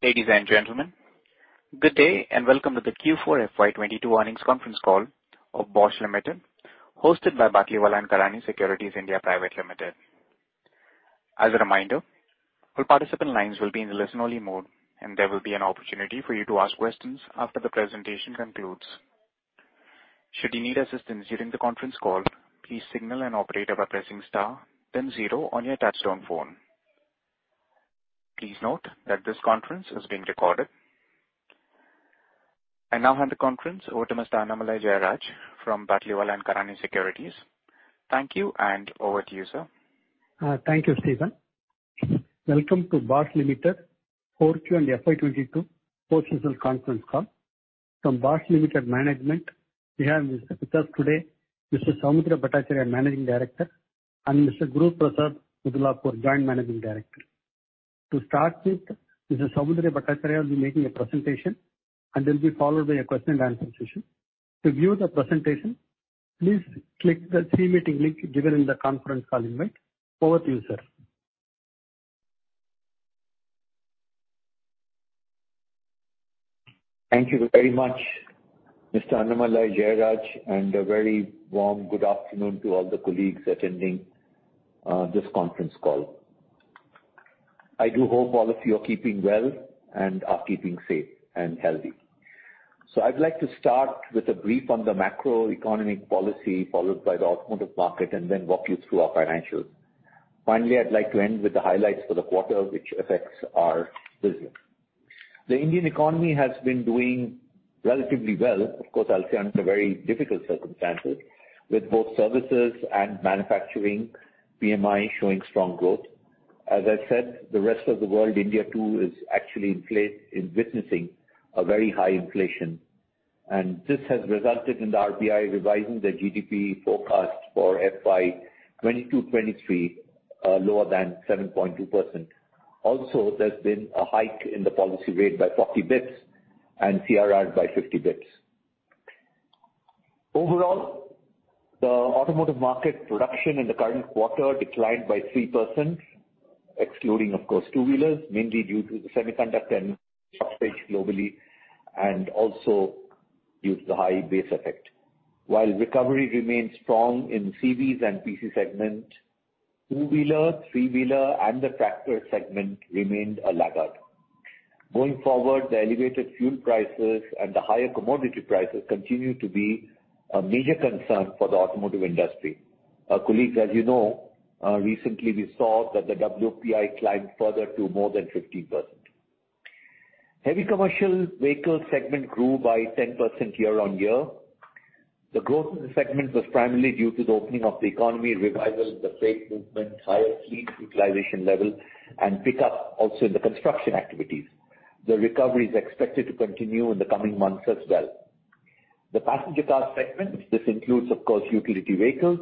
Ladies and gentlemen, good day and welcome to the Q4 FY 2022 earnings conference call of Bosch Limited, hosted by Batlivala & Karani Securities India Pvt. Ltd. As a reminder, all participant lines will be in listen-only mode, and there will be an opportunity for you to ask questions after the presentation concludes. Should you need assistance during the conference call, please signal an operator by pressing star then zero on your touchtone phone. Please note that this conference is being recorded. I now hand the conference over to Mr. Annamalai Jayaraj from Batlivala & Karani Securities. Thank you, and over to you, sir. Thank you, Steven. Welcome to Bosch Limited Q4 and FY 2022 post results conference call. From Bosch Limited management, we have with us today Mr. Soumitra Bhattacharya, Managing Director, and Mr. Guruprasad Mudlapur, Joint Managing Director. To start with, Mr. Soumitra Bhattacharya will be making a presentation and will be followed by a question and answer session. To view the presentation, please click the team meeting link given in the conference call invite. Over to you, sir. Thank you very much, Mr. Annamalai Jayaraj, and a very warm good afternoon to all the colleagues attending this conference call. I do hope all of you are keeping well and are keeping safe and healthy. I'd like to start with a brief on the macroeconomic policy, followed by the automotive market and then walk you through our financials. Finally, I'd like to end with the highlights for the quarter which affects our business. The Indian economy has been doing relatively well. Of course, I must say under very difficult circumstances, with both services and manufacturing PMI showing strong growth. As I said, the rest of the world, India too, is actually experiencing a very high inflation. This has resulted in the RBI revising the GDP forecast for FY 2022-2023 lower than 7.2%. There's been a hike in the policy rate by 40 basis points and CRR by 50 basis points. Overall, the automotive market production in the current quarter declined by 3%, excluding of course two-wheelers, mainly due to the semiconductor shortage globally and also due to the high base effect. While recovery remains strong in CVs and PC segment, two-wheeler, three-wheeler and the tractor segment remained a laggard. Going forward, the elevated fuel prices and the higher commodity prices continue to be a major concern for the automotive industry. Colleagues, as you know, recently we saw that the WPI climbed further to more than 15%. Heavy commercial vehicle segment grew by 10% year-on-year. The growth in the segment was primarily due to the opening of the economy, revival in the freight movement, higher fleet utilization level, and pick up also in the construction activities. The recovery is expected to continue in the coming months as well. The passenger car segment, this includes of course, utility vehicles,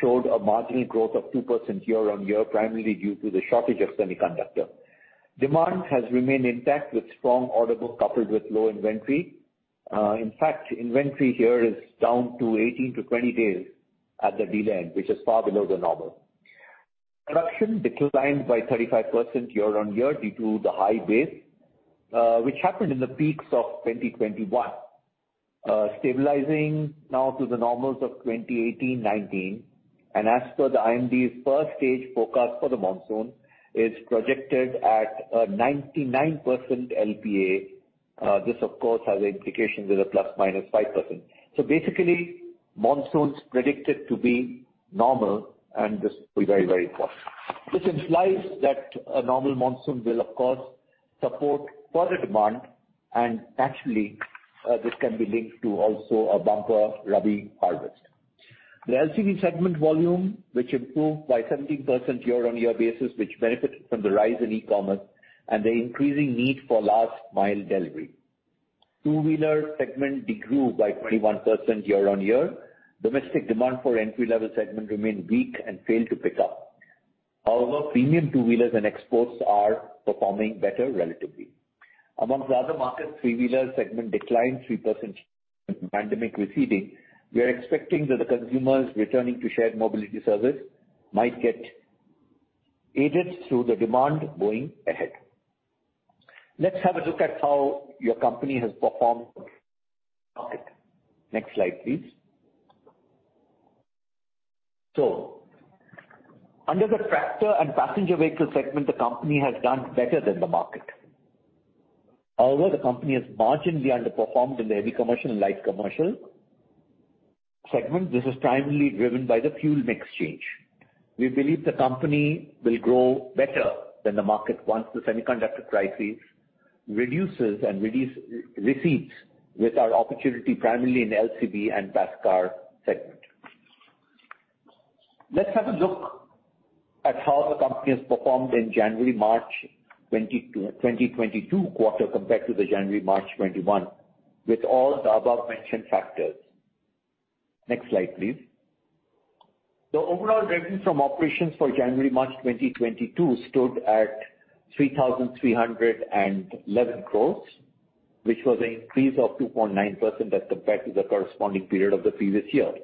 showed a marginal growth of 2% year-on-year, primarily due to the shortage of semiconductor. Demand has remained intact with strong order book coupled with low inventory. In fact, inventory here is down to 18-20 days at the dealer end, which is far below the normal. Production declined by 35% year-on-year due to the high base, which happened in the peaks of 2021. Stabilizing now to the normals of 2018, 2019. As per the IMD first stage forecast for the monsoon is projected at, 99% LPA. This of course has implications with a ±5%. Basically, monsoons predicted to be normal and this will be very, very important. This implies that a normal monsoon will of course support further demand and actually, this can be linked to also a bumper rabi harvest. The LCV segment volume, which improved by 17% year-on-year basis, which benefited from the rise in e-commerce and the increasing need for last mile delivery. Two-wheeler segment degrew by 21% year-on-year. Domestic demand for entry-level segment remained weak and failed to pick up. However, premium two-wheelers and exports are performing better relatively. Among the other markets, three-wheeler segment declined 3%. Pandemic receding, we are expecting that the consumers returning to shared mobility services might get aided through the demand going ahead. Let's have a look at how your company has performed. Next slide, please. Under the tractor and passenger vehicle segment, the company has done better than the market. However, the company has marginally underperformed in the heavy commercial and light commercial segments. This is primarily driven by the fuel mix change. We believe the company will grow better than the market once the semiconductor crisis reduces and recedes with our opportunity primarily in LCV and passenger car segment. Let's have a look at how the company has performed in January-March 2022 quarter compared to the January-March 2021 with all the above-mentioned factors. Next slide, please. The overall revenue from operations for January-March 2022 stood at 3,311 crore, which was an increase of 2.9% as compared to the corresponding period of the previous year.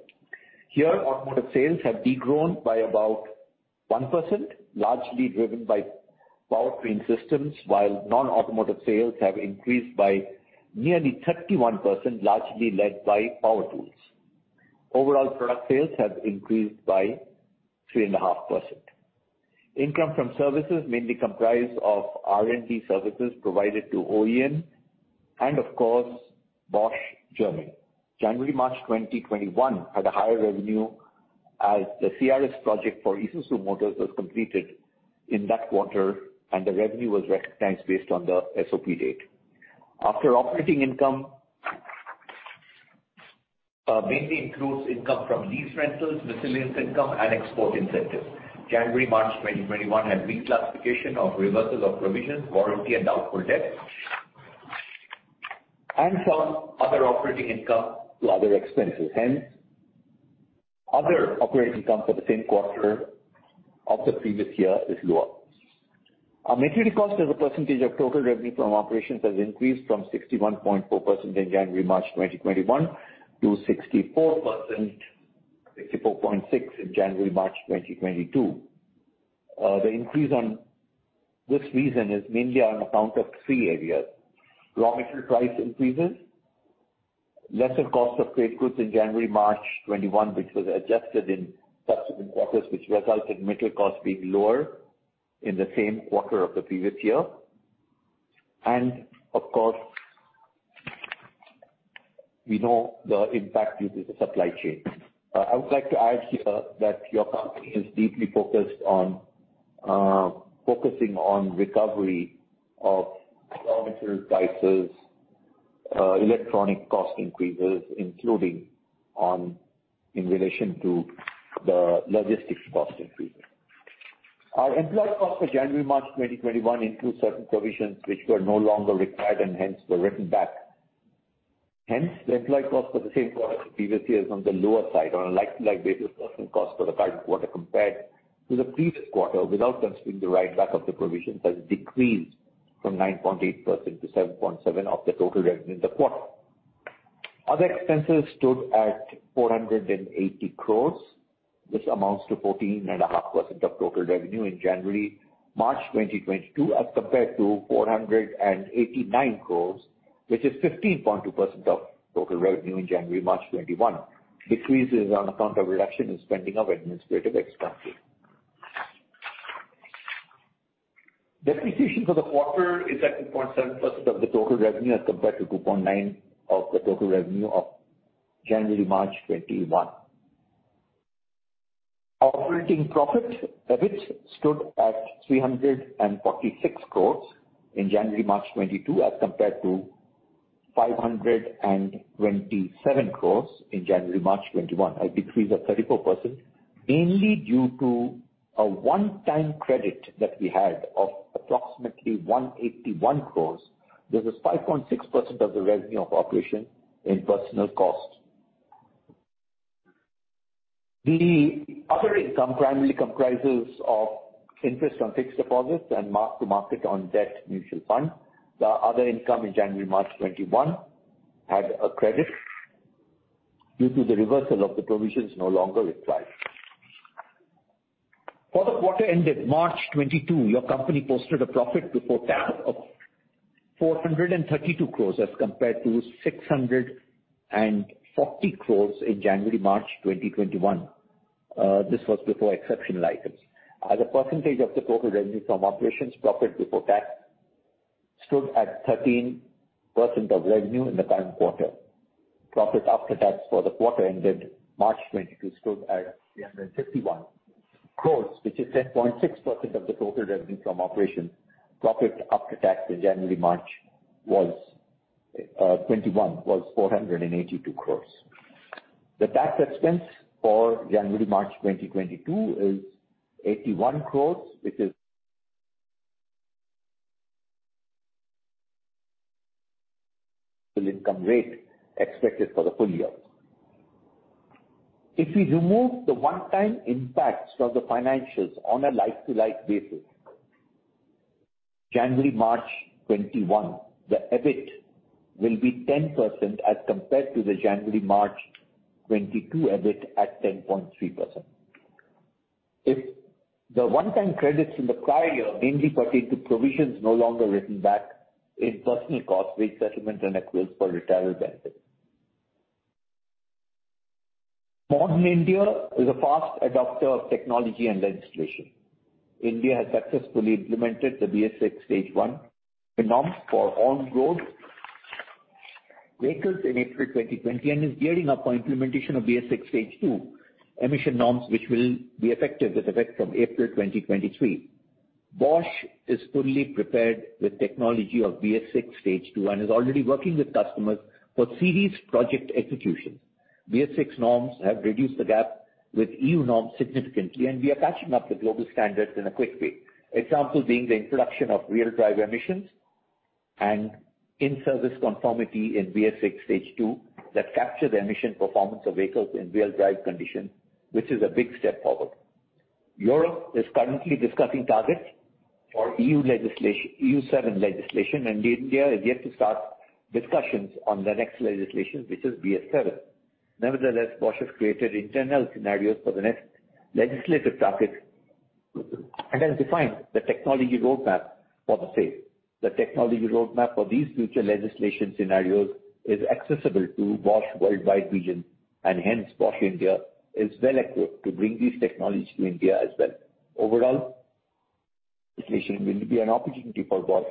Here automotive sales have degrown by about 1%, largely driven by powertrain systems, while non-automotive sales have increased by nearly 31%, largely led by power tools. Overall product sales have increased by 3.5%. Income from services mainly comprise of R&D services provided to OEM and of course, Bosch Germany. January-March 2021 had a higher revenue as the CRS project for Isuzu Motors was completed in that quarter, and the revenue was recognized based on the SOP date. Other operating income mainly includes income from lease rentals, miscellaneous income and export incentives. January-March 2021 had reclassification of reversals of provisions, warranty and doubtful debts, and some other operating income to other expenses. Hence, other operating income for the same quarter of the previous year is lower. Our material cost as a percentage of total revenue from operations has increased from 61.4% in January-March 2021 to 64.6% in January-March 2022. The increase for this reason is mainly on account of three areas. Raw material price increases, lower cost of traded goods in January-March 2021, which was adjusted in subsequent quarters, which resulted in material costs being lower in the same quarter of the previous year. Of course, we know the impact due to the supply chain. I would like to add here that your company is deeply focused on focusing on recovery of raw material prices, electronics cost increases including, in relation to the logistics cost increases. Our employee costs for January-March 2021 include certain provisions which were no longer required and hence were written back. Hence, the employee cost for the same quarter the previous year is on the lower side on a like-for-like basis. Personnel costs for the current quarter compared to the previous quarter without considering the write back of the provisions, has decreased from 9.8% to 7.7% of the total revenue in the quarter. Other expenses stood at 480 crore, which amounts to 14.5% of total revenue in January-March 2022, as compared to 489 crore, which is 15.2% of total revenue in January-March 2021. Decreases on account of reduction in spending of administrative expenses. Depreciation for the quarter is at 2.7% of the total revenue, as compared to 2.9% of the total revenue of January-March 2021. Operating profit, EBIT, stood at 346 crore in January-March 2022, as compared to 527 crore in January-March 2021. A decrease of 34%, mainly due to a one-time credit that we had of approximately 181 crore. This is 5.6% of the revenue from operations in personnel cost. The other income primarily comprises of interest on fixed deposits and mark-to-market on debt mutual funds. The other income in January, March 2021 had a credit due to the reversal of the provisions no longer required. For the quarter ended March 2022, your company posted a profit before tax of 432 crore as compared to 640 crore in January, March 2021. This was before exceptional items. As a percentage of the total revenue from operations, profit before tax stood at 13% of revenue in the current quarter. Profit after tax for the quarter ended March 2022 stood at 351 crores, which is 10.6% of the total revenue from operations. Profit after tax in January-March 2021 was 482 crores. The tax expense for January-March 2022 is 81 crores, which is the tax rate expected for the full year. If we remove the one-time impacts from the financials on a like-to-like basis, January-March 2021, the EBIT will be 10% as compared to the January-March 2022 EBIT at 10.3%. The one-time credits in the prior year mainly pertain to provisions no longer written back in personnel costs, wage settlement and accruals for retirement benefits. Modern India is a fast adopter of technology and legislation. India has successfully implemented the BS VI Stage 1 norms for on-road vehicles in April 2020 and is gearing up for implementation of BS VI Stage 2 emission norms, which will be effective with effect from April 2023. Bosch is fully prepared with technology of BS VI Stage 2 and is already working with customers for series project execution. BS VI norms have reduced the gap with EU norms significantly, and we are catching up to the global standards in a quick way. Example being the introduction of real drive emissions and in-service conformity in BS VI Stage 2 that capture the emission performance of vehicles in real drive conditions, which is a big step forward. Europe is currently discussing targets for EU legislation, Euro 7 legislation, and India is yet to start discussions on the next legislation, which is BS VII. Nevertheless, Bosch has created internal scenarios for the next legislative targets and has defined the technology roadmap for the same. The technology roadmap for these future legislation scenarios is accessible to Bosch worldwide region, and hence Bosch India is well equipped to bring these technologies to India as well. Overall, legislation will be an opportunity for Bosch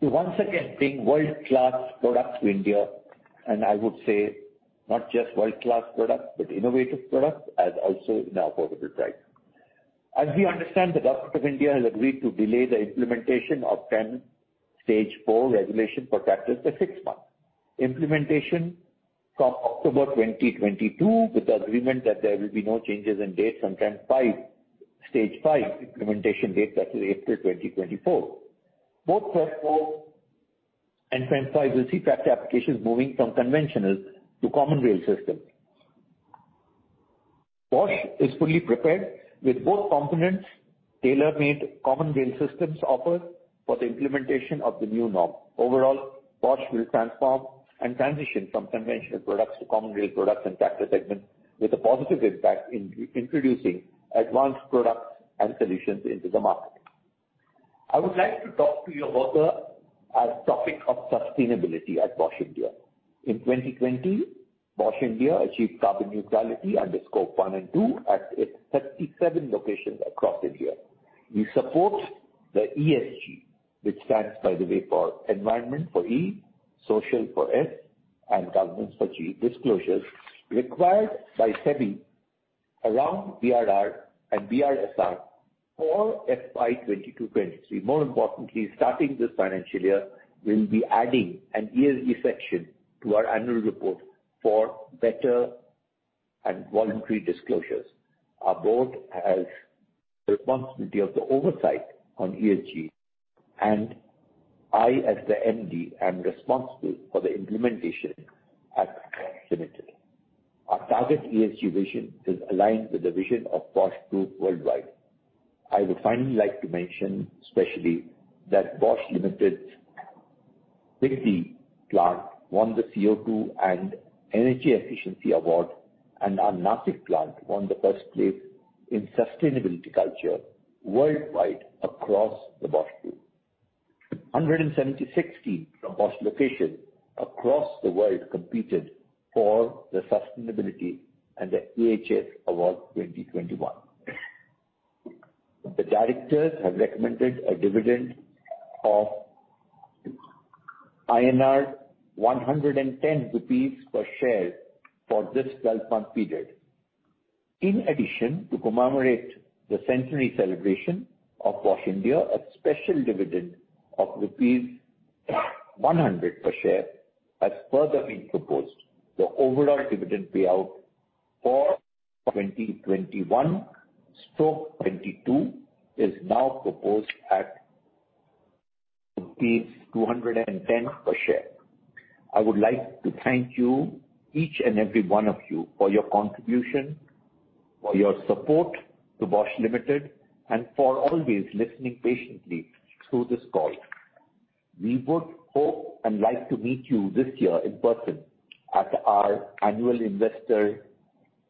to once again bring world-class products to India, and I would say not just world-class products, but innovative products and also at an affordable price. As we understand, the government of India has agreed to delay the implementation of TREM Stage IV regulation for tractors to six months. Implementation from October 2022, with the agreement that there will be no changes in dates from TREM V, Stage V implementation date that is April 2024. Both TREM Stage IV and TREM V will see tractor applications moving from conventional to Common Rail System. Bosch is fully prepared with both components, tailor-made common rail systems offered for the implementation of the new norm. Overall, Bosch will transform and transition from conventional products to common rail products in tractor segment with a positive impact in introducing advanced products and solutions into the market. I would like to talk to you about the topic of sustainability at Bosch India. In 2020, Bosch India achieved carbon neutrality under Scope 1 and 2 at its 37 locations across India. We support the ESG, which stands by the way for environment for E, social for S, and governance for G. Disclosures required by SEBI around BRR and BRSR for FY 2022-2023. More importantly, starting this financial year we'll be adding an ESG section to our annual report for better and voluntary disclosures. Our board has the responsibility of the oversight on ESG, and I as the MD am responsible for the implementation at Limited. Our target ESG vision is aligned with the vision of Bosch Group worldwide. I would finally like to mention especially that Bosch Limited's Vashi plant won the CO2 and energy efficiency award, and our Nashik plant won the first place in sustainability culture worldwide across the Bosch Group. 176 teams from Bosch locations across the world competed for the sustainability and the EHS Awards 2021. The directors have recommended a dividend of 110 rupees per share for this 12-month period. In addition, to commemorate the centenary celebration of Bosch India, a special dividend of rupees 100 per share has further been proposed. The overall dividend payout for 2021-2022 is now proposed at rupees 210 per share. I would like to thank you, each and every one of you, for your contribution, for your support to Bosch Limited, and for always listening patiently through this call. We would hope and like to meet you this year in person at our annual investor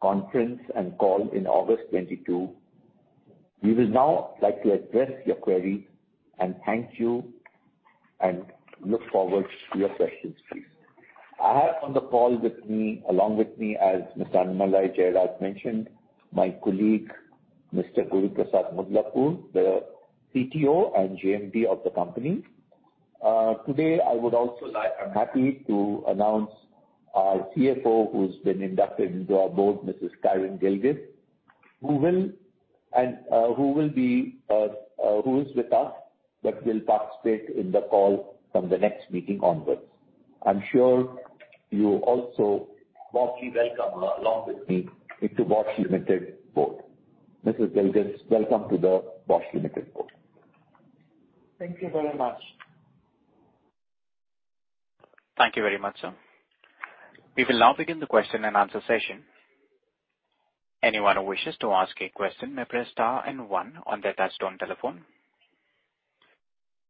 conference and call in August 2022. We will now like to address your queries and thank you and look forward to your questions please. I have on the call with me, along with me as Mr. Annamalai Jayaraj mentioned, my colleague, Mr. Guruprasad Mudlapur, the CTO and JMD of the company. I'm happy to announce our CFO who's been inducted into our board, Mrs. Karin Gilges, who is with us, but will participate in the call from the next meeting onwards. I'm sure you also warmly welcome her along with me into Bosch Limited board. Mrs. Gilges, welcome to the Bosch Limited board. Thank you very much. Thank you very much, sir. We will now begin the question and answer session. Anyone who wishes to ask a question may press star and one on their touchtone telephone.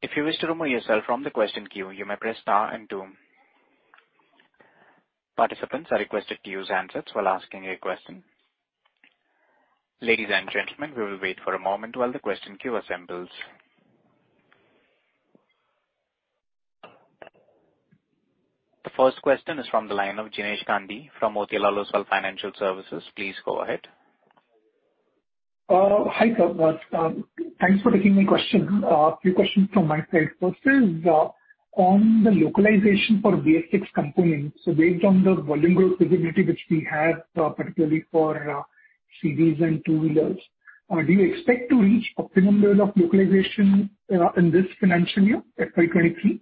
If you wish to remove yourself from the question queue, you may press star and two. Participants are requested to use handsets while asking a question. Ladies and gentlemen, we will wait for a moment while the question queue assembles. The first question is from the line of Jinesh Gandhi from Motilal Oswal Financial Services. Please go ahead. Hi, sir. Thanks for taking my question. A few questions from my side. First is, on the localization for BS VI components. Based on the volume growth visibility which we had, particularly for CVs and two-wheelers, do you expect to reach optimum level of localization, in this financial year, FY 2023?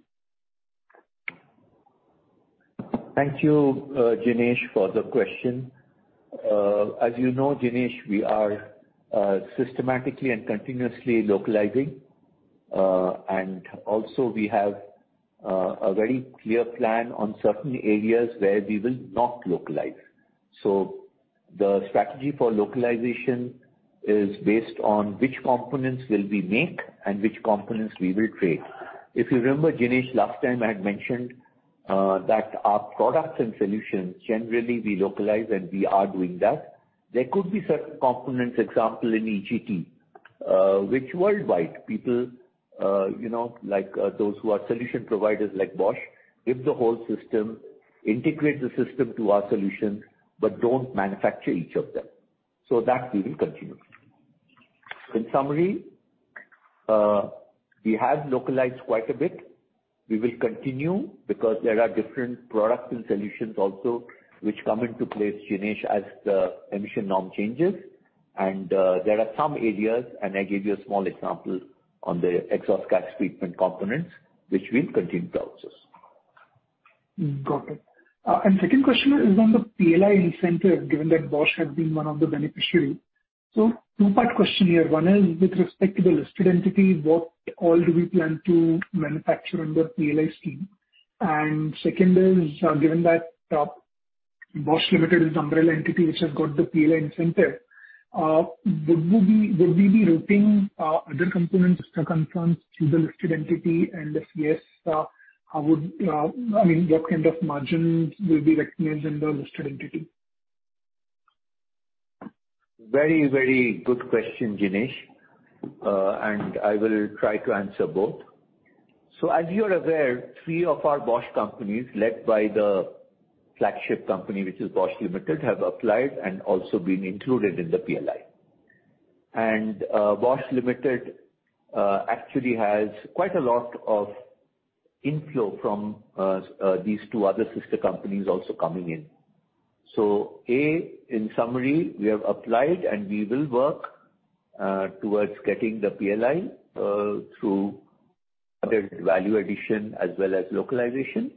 Thank you, Jinesh, for the question. As you know, Jinesh, we are systematically and continuously localizing, and also we have a very clear plan on certain areas where we will not localize. The strategy for localization is based on which components will we make and which components we will trade. If you remember, Jinesh, last time I had mentioned that our products and solutions, generally we localize, and we are doing that. There could be certain components, example in EGT, which worldwide people, you know, like, those who are solution providers like Bosch, if the whole system integrates the system to our solutions but don't manufacture each of them. That we will continue. In summary, we have localized quite a bit. We will continue because there are different products and solutions also which come into place, Jinesh, as the emission norm changes. There are some areas, and I gave you a small example on the exhaust gas treatment components, which we'll continue to outsource. Got it. Second question is on the PLI incentive, given that Bosch has been one of the beneficiaries. Two-part question here. One is with respect to the listed entity, what all do we plan to manufacture under PLI scheme? Second is, given that, Bosch Limited is umbrella entity which has got the PLI incentive, would we be routing other components to the concerned, to the listed entity? And if yes, how would, I mean, what kind of margins will be recognized in the listed entity? Very, very good question, Jinesh. I will try to answer both. As you are aware, three of our Bosch companies, led by the flagship company which is Bosch Limited, have applied and also been included in the PLI. Bosch Limited actually has quite a lot of inflow from these two other sister companies also coming in. A, in summary, we have applied, and we will work towards getting the PLI through other value addition as well as localization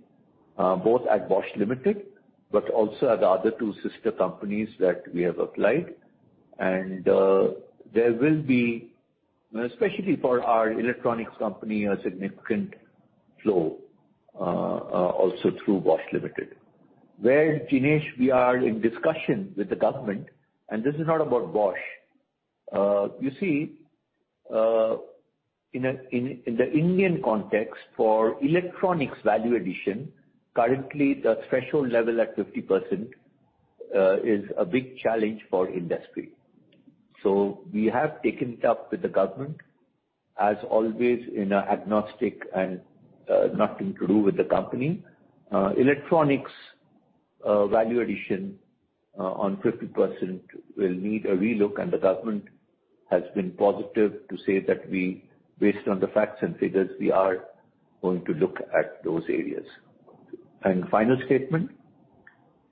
both at Bosch Limited but also at the other two sister companies that we have applied. There will be, especially for our electronics company, a significant flow also through Bosch Limited. Well, Jinesh, we are in discussion with the government, and this is not about Bosch. You see, in the Indian context for electronics value addition, currently the threshold level at 50% is a big challenge for industry. We have taken it up with the government. As always, in an agnostic and nothing to do with the company, electronics value addition on 50% will need a relook, and the government has been positive to say that we, based on the facts and figures, we are going to look at those areas. Final statement,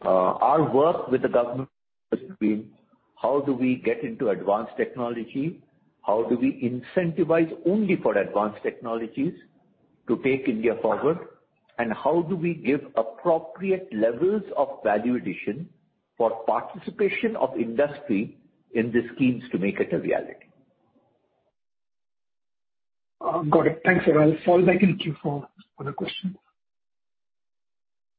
our work with the government has been how do we get into advanced technology? How do we incentivize only for advanced technologies to take India forward? How do we give appropriate levels of value addition for participation of industry in the schemes to make it a reality? Got it. Thanks, sir. I'll fall back in queue for other questions.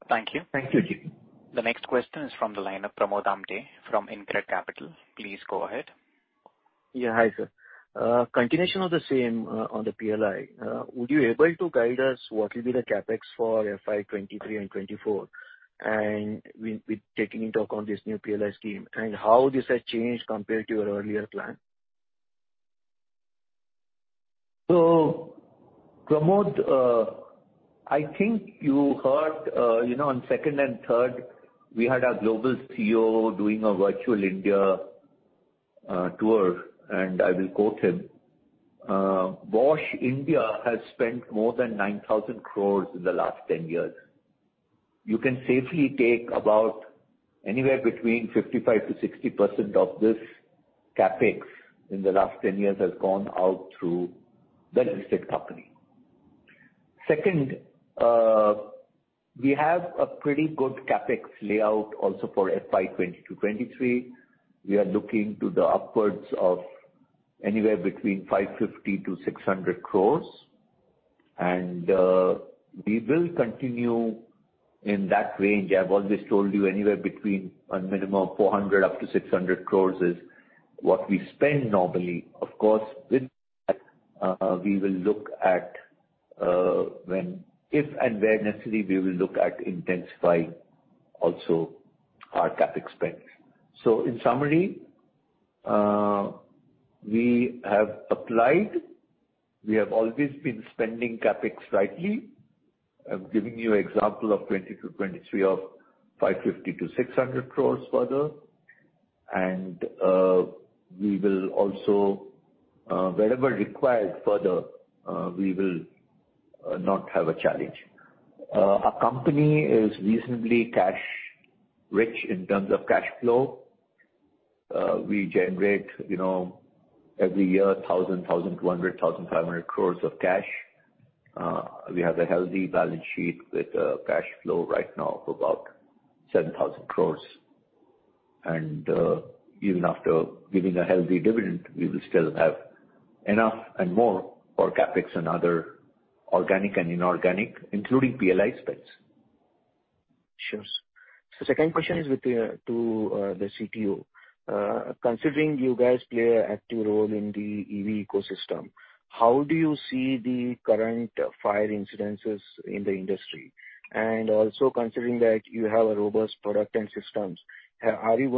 Thank you. Thank you. The next question is from the line of Pramod Amthe from InCred Capital. Please go ahead. Yeah. Hi, sir. Continuation of the same, on the PLI. Would you be able to guide us what will be the CapEx for FY 2023 and 2024 and with taking into account this new PLI scheme, and how this has changed compared to your earlier plan? Pramod, I think you heard on second and third, we had our global CEO doing a virtual India tour, and I will quote him. Bosch India has spent more than 9,000 crores in the last ten years. You can safely take about anywhere between 55%-60% of this CapEx in the last ten years has gone out through the listed company. Second, we have a pretty good CapEx layout also for FY 2022-2023. We are looking to the upwards of anywhere between 550-600 crores. We will continue in that range. I've always told you anywhere between a minimum of 400-600 crores is what we spend normally. Of course, with that, when, if and where necessary, we will look at intensifying also our CapEx spend. In summary, we have applied. We have always been spending CapEx rightly. I'm giving you example of 2022-2023 of 550-600 crores further. We will also, wherever required further, we will not have a challenge. Our company is reasonably cash rich in terms of cash flow. We generate, you know, every year, 1,000, 1,200, 1,500 crores of cash. We have a healthy balance sheet with cash flow right now of about 7,000 crores. Even after giving a healthy dividend, we will still have enough and more for CapEx and other organic and inorganic, including PLI spends. Sure. Second question is to the CTO. Considering you guys play an active role in the EV ecosystem, how do you see the current fire incidents in the industry? And also considering that you have a robust product and systems, are you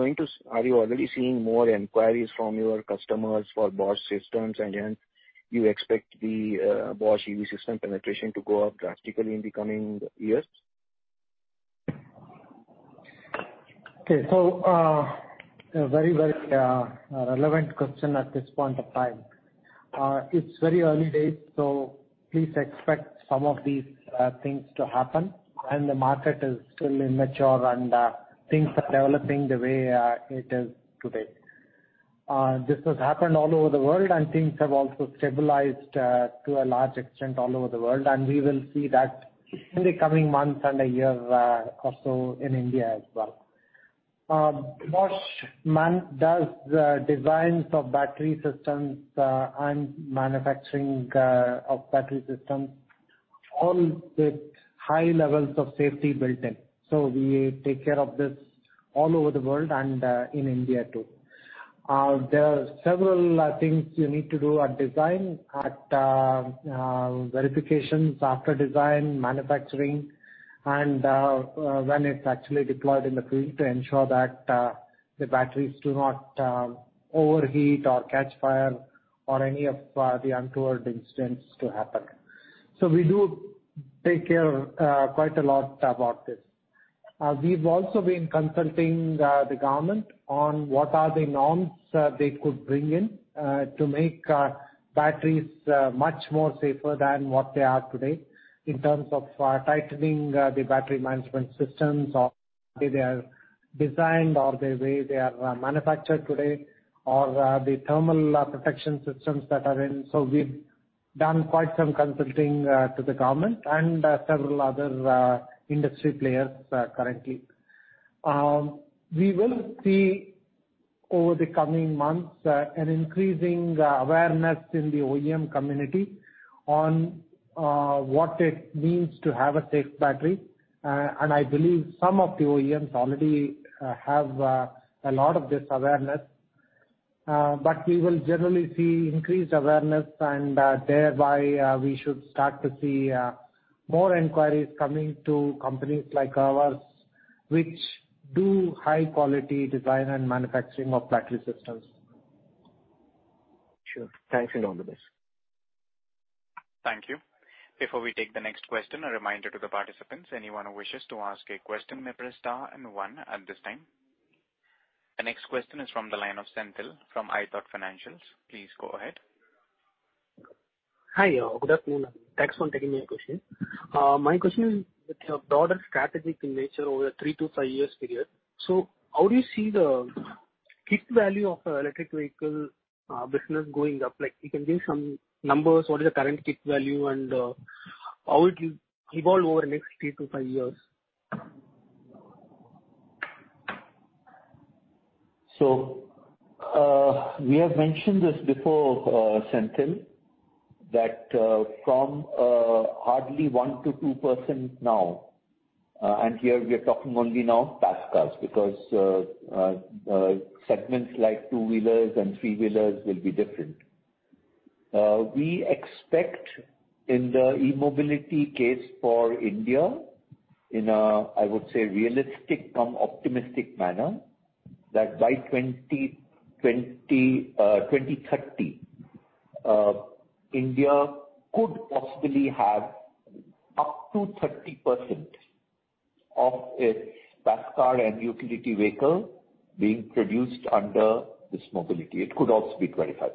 already seeing more inquiries from your customers for Bosch systems? And then you expect the Bosch EV system penetration to go up drastically in the coming years? Okay. A very relevant question at this point of time. It's very early days, so please expect some of these things to happen. The market is still immature and things are developing the way it is today. This has happened all over the world, and things have also stabilized to a large extent all over the world. We will see that in the coming months and a year or so in India as well. Bosch does the designs of battery systems and manufacturing of battery systems, all with high levels of safety built in. We take care of this all over the world and in India too. There are several things you need to do at design, at verifications after design, manufacturing and when it's actually deployed in the field to ensure that the batteries do not overheat or catch fire or any of the untoward incidents to happen. We do take care quite a lot about this. We've also been consulting the government on what are the norms they could bring in to make batteries much more safer than what they are today in terms of tightening the Battery Management Systems or the way they are designed or the way they are manufactured today, or the thermal protection systems that are in. We've done quite some consulting to the government and several other industry players currently. We will see over the coming months an increasing awareness in the OEM community on what it means to have a safe battery. I believe some of the OEMs already have a lot of this awareness. We will generally see increased awareness and thereby we should start to see more inquiries coming to companies like ours, which do high quality design and manufacturing of battery systems. Sure. Thanks a lot. Thank you. Thank you. Before we take the next question, a reminder to the participants, anyone who wishes to ask a question may press star and one at this time. The next question is from the line of Senthil from ithought Financial Consulting. Please go ahead. Hi. Good afternoon. Thanks for taking my question. My question is with your broader strategy in nature over a three to five years period. How do you see the peak value of electric vehicle business going up? Like you can give some numbers, what is the current peak value and how it will evolve over the next three to five years? We have mentioned this before, Senthil, that from hardly 1%-2% now, and here we are talking only now passenger cars because segments like two-wheelers and three-wheelers will be different. We expect in the e-mobility case for India in a, I would say, realistic cum optimistic manner, that by 2030, India could possibly have up to 30% of its passenger car and utility vehicle being produced under this mobility. It could also be 25%.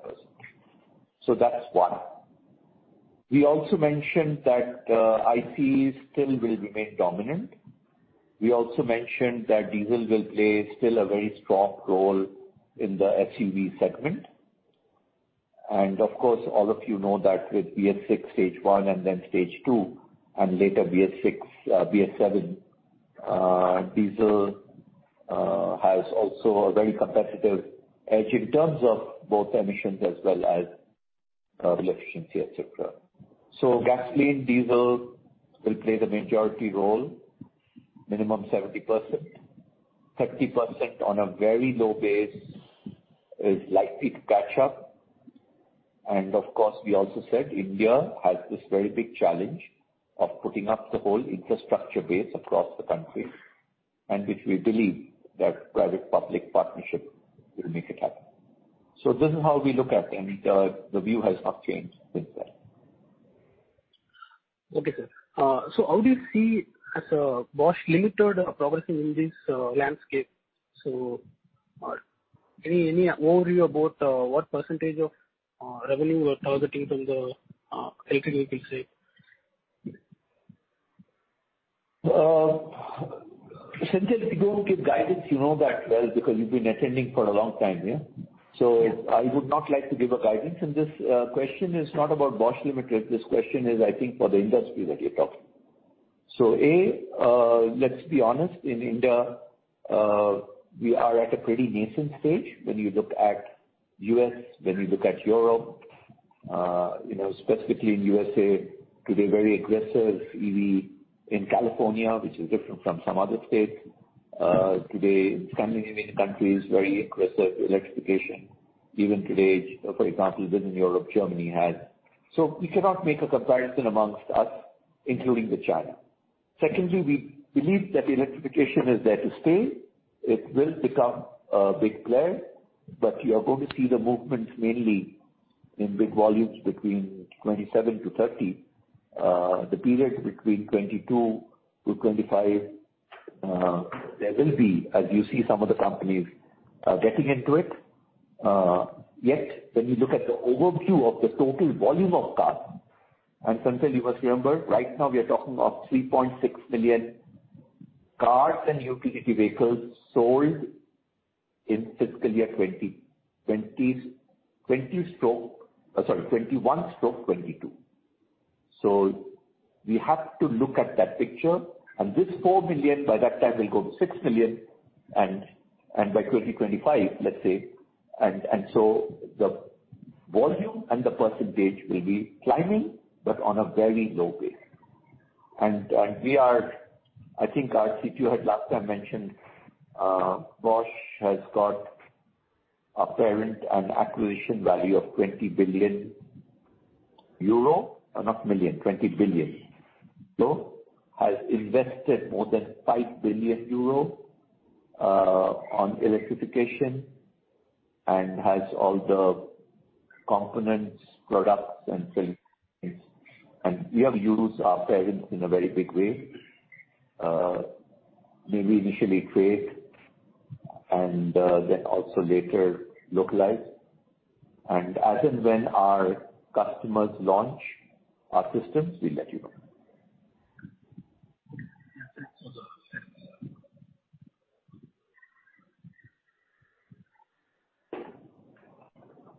That's one. We also mentioned that ICE still will remain dominant. We also mentioned that diesel will play still a very strong role in the SUV segment. Of course, all of you know that with BS VI Stage 1 and then Stage 2 and later BS VI, BS VII, diesel has also a very competitive edge in terms of both emissions as well as, fuel efficiency, etc. Gasoline, diesel will play the majority role, minimum 70%. 30% on a very low base is likely to catch up. Of course, we also said India has this very big challenge of putting up the whole infrastructure base across the country, and which we believe that public-private partnership will make it happen. This is how we look at them. The view has not changed since then. Okay, sir. How do you see Bosch Limited progressing in this landscape? Any overview about what percentage of revenue or profitability from the electric vehicle side? Senthil, we don't give guidance, you know that well, because you've been attending for a long time here. Yeah. I would not like to give a guidance. This question is not about Bosch Limited. This question is, I think, for the industry that you're talking. A, let's be honest, in India, we are at a pretty nascent stage. When you look at U.S., when you look at Europe, you know, specifically in USA, could be very aggressive EV in California, which is different from some other states. Today, Scandinavian countries, very aggressive electrification even today. For example, within Europe, Germany has. We cannot make a comparison amongst us, including China. Secondly, we believe that electrification is there to stay. It will become a big player, but you are going to see the movement mainly in big volumes between 2027-2030. The period between 2022-2025, there will be, as you see some of the companies getting into it. Yet when you look at the overview of the total volume of cars, and Sanchit, you must remember, right now we are talking of 3.6 million cars and utility vehicles sold in fiscal year 2021-2022. We have to look at that picture. This 4 million by that time will go to 6 million, and by 2025, let's say. The volume and the percentage will be climbing but on a very low base. I think, Arati, if you had last time mentioned, Bosch has got a parent and acquisition value of 20 billion euro. Not million, 20 billion. Has invested more than 5 billion euro on electrification and has all the components, products and things. We have used our parent in a very big way, maybe initially create and then also later localize. As and when our customers launch our systems, we'll let you know.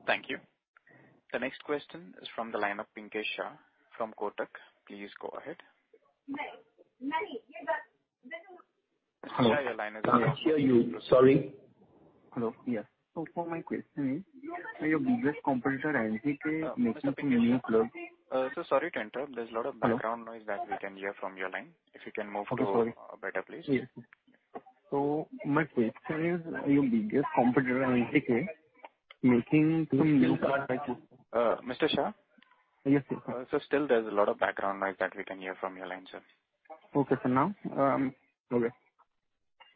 Thank you. The next question is from the line of Shripal Shah from Kotak. Please go ahead. Sir, your line is- I can't hear you. Sorry. Hello. Yes. My question is, are your biggest competitor, NGK, making some new plug? Sir, sorry to interrupt. There's a lot of background noise that we can hear from your line. If you can move to- Okay, sorry. a better place. Yes. My question is, are your biggest competitor, NGK, making some new plug like you? Mr. Shah? Yes, sir. Sir, still there's a lot of background noise that we can hear from your line, sir.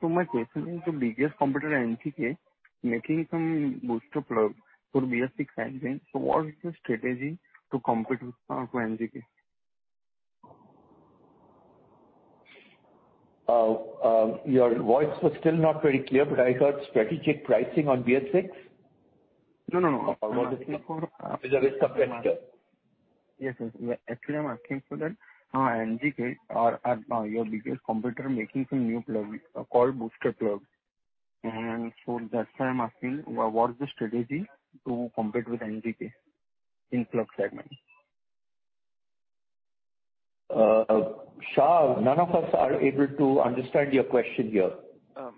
My question is, your biggest competitor, NGK, making some BoosterPlug for BS VI engines, what is your strategy to compete with NGK? Your voice was still not very clear, but I heard strategic pricing on BS VI. No, no. Is that it? Yes, yes. Actually, I'm asking for that. NGK are your biggest competitor making some new plug called BoosterPlug. That's why I'm asking. What's the strategy to compete with NGK in plug segment? Shah, none of us are able to understand your question here.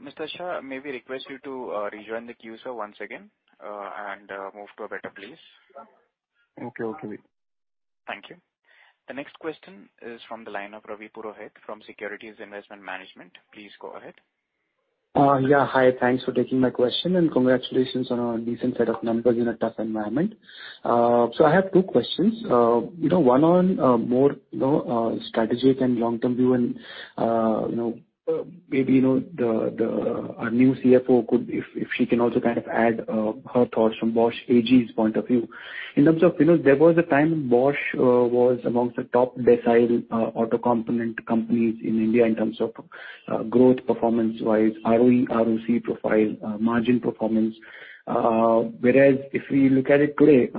Mr. Shah, may we request you to rejoin the queue, sir, once again, and move to a better place. Okay. Okay. Thank you. The next question is from the line of Ravi Purohit from Securities Investment Management. Please go ahead. Yeah. Hi, thanks for taking my question, and congratulations on a decent set of numbers in a tough environment. So I have two questions. You know, one on more strategic and long-term view and, you know, maybe our new CFO could, if she can also kind of add her thoughts from Bosch AG's point of view. In terms of, you know, there was a time Bosch was amongst the top decile auto component companies in India in terms of growth performance-wise, ROE, ROC profile, margin performance. Whereas if we look at it today,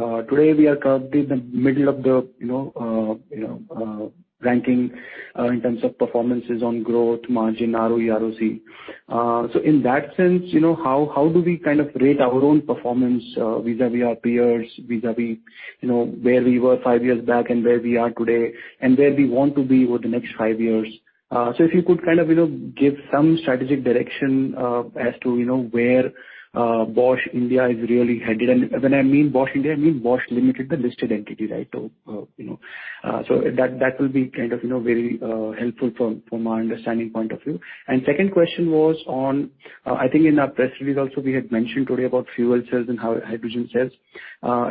we are currently in the middle of the, you know, ranking in terms of performances on growth, margin, ROE, ROC. In that sense, you know, how do we kind of rate our own performance vis-à-vis our peers, vis-à-vis, you know, where we were five years back and where we are today and where we want to be over the next five years? If you could kind of, you know, give some strategic direction as to, you know, where Bosch India is really headed. When I mean Bosch India, I mean Bosch Limited, the listed entity, right? You know. That will be kind of, you know, very helpful from our understanding point of view. Second question was on, I think in our press release also we had mentioned today about fuel cells and hydrogen cells.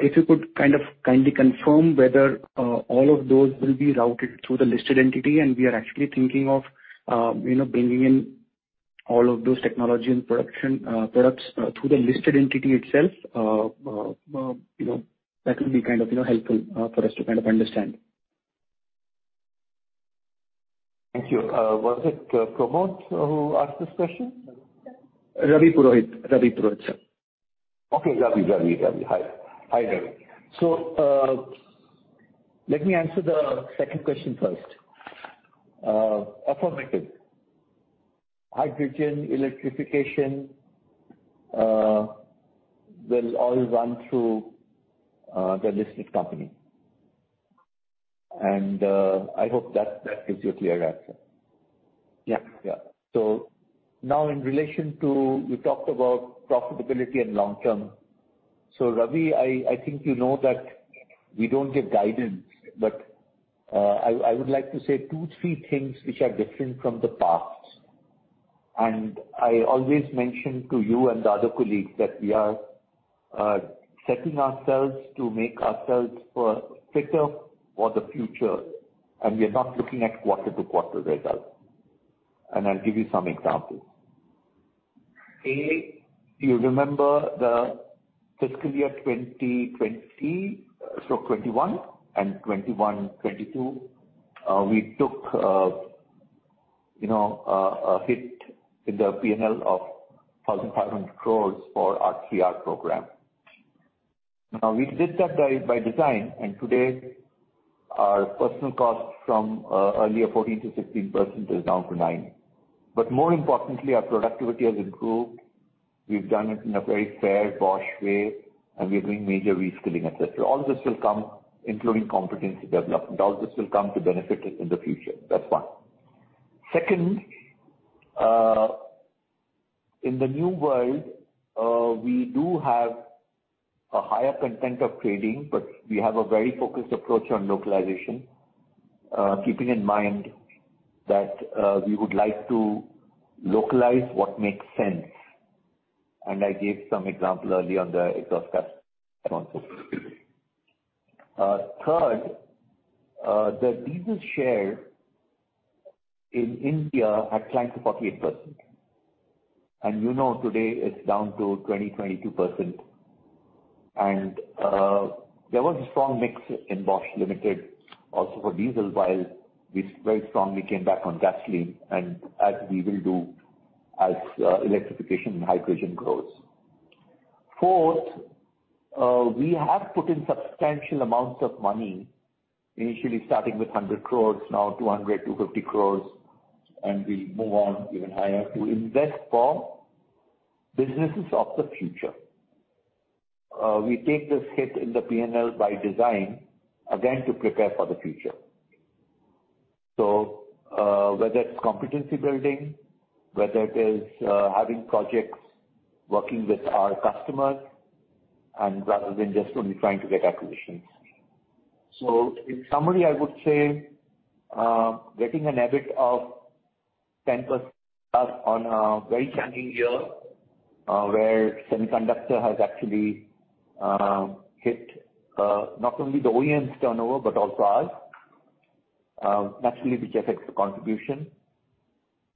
If you could kind of kindly confirm whether all of those will be routed through the listed entity, and we are actually thinking of, you know, bringing in all of those technology and production products through the listed entity itself. You know, that will be kind of, you know, helpful for us to kind of understand. Thank you. Was it Pramod who asked this question? Ravi Purohit, sir. Okay. Ravi. Hi. Hi, Ravi. So, let me answer the second question first. Affirmative. Hydrogen electrification will all run through the listed company. I hope that gives you a clear answer. Yeah. Yeah. Now in relation to. You talked about profitability and long term. Ravi, I think you know that we don't give guidance, but I would like to say two, three things which are different from the past. I always mention to you and the other colleagues that we are setting ourselves to make ourselves fitter for the future, and we are not looking at quarter-to-quarter results. I'll give you some examples. You remember the fiscal year 2020-2021 and 2021-2022, we took you know, a hit in the P&L of 1,500 crores for our Transformation Program. Now, we did that by design, and today our personnel costs from earlier 14%-16% is down to 9%. But more importantly, our productivity has improved. We've done it in a very fair Bosch way, and we are doing major reskilling, et cetera. All this will come, including competency development. All this will come to benefit us in the future. That's one. Second, in the new world, we do have a higher content of trading, but we have a very focused approach on localization, keeping in mind that we would like to localize what makes sense. I gave some example earlier on the exhaust gas. Third, the diesel share in India had climbed to 48%. You know, today it's down to 22%. There was a strong mix in Bosch Limited also for diesel, while we very strongly came back on gasoline, and as we will do as electrification and hydrogen grows. Fourth, we have put in substantial amounts of money, initially starting with 100 crore, now 200 crore-250 crore, and we move on even higher to invest for businesses of the future. We take this hit in the P&L by design, again, to prepare for the future. Whether it's competency building, whether it is, having projects, working with our customers, and rather than just only trying to get acquisitions. In summary, I would say, getting an EBIT of 10%+ on a very challenging year, where semiconductor has actually hit, not only the OEM's turnover, but also ours, naturally which affects the contribution.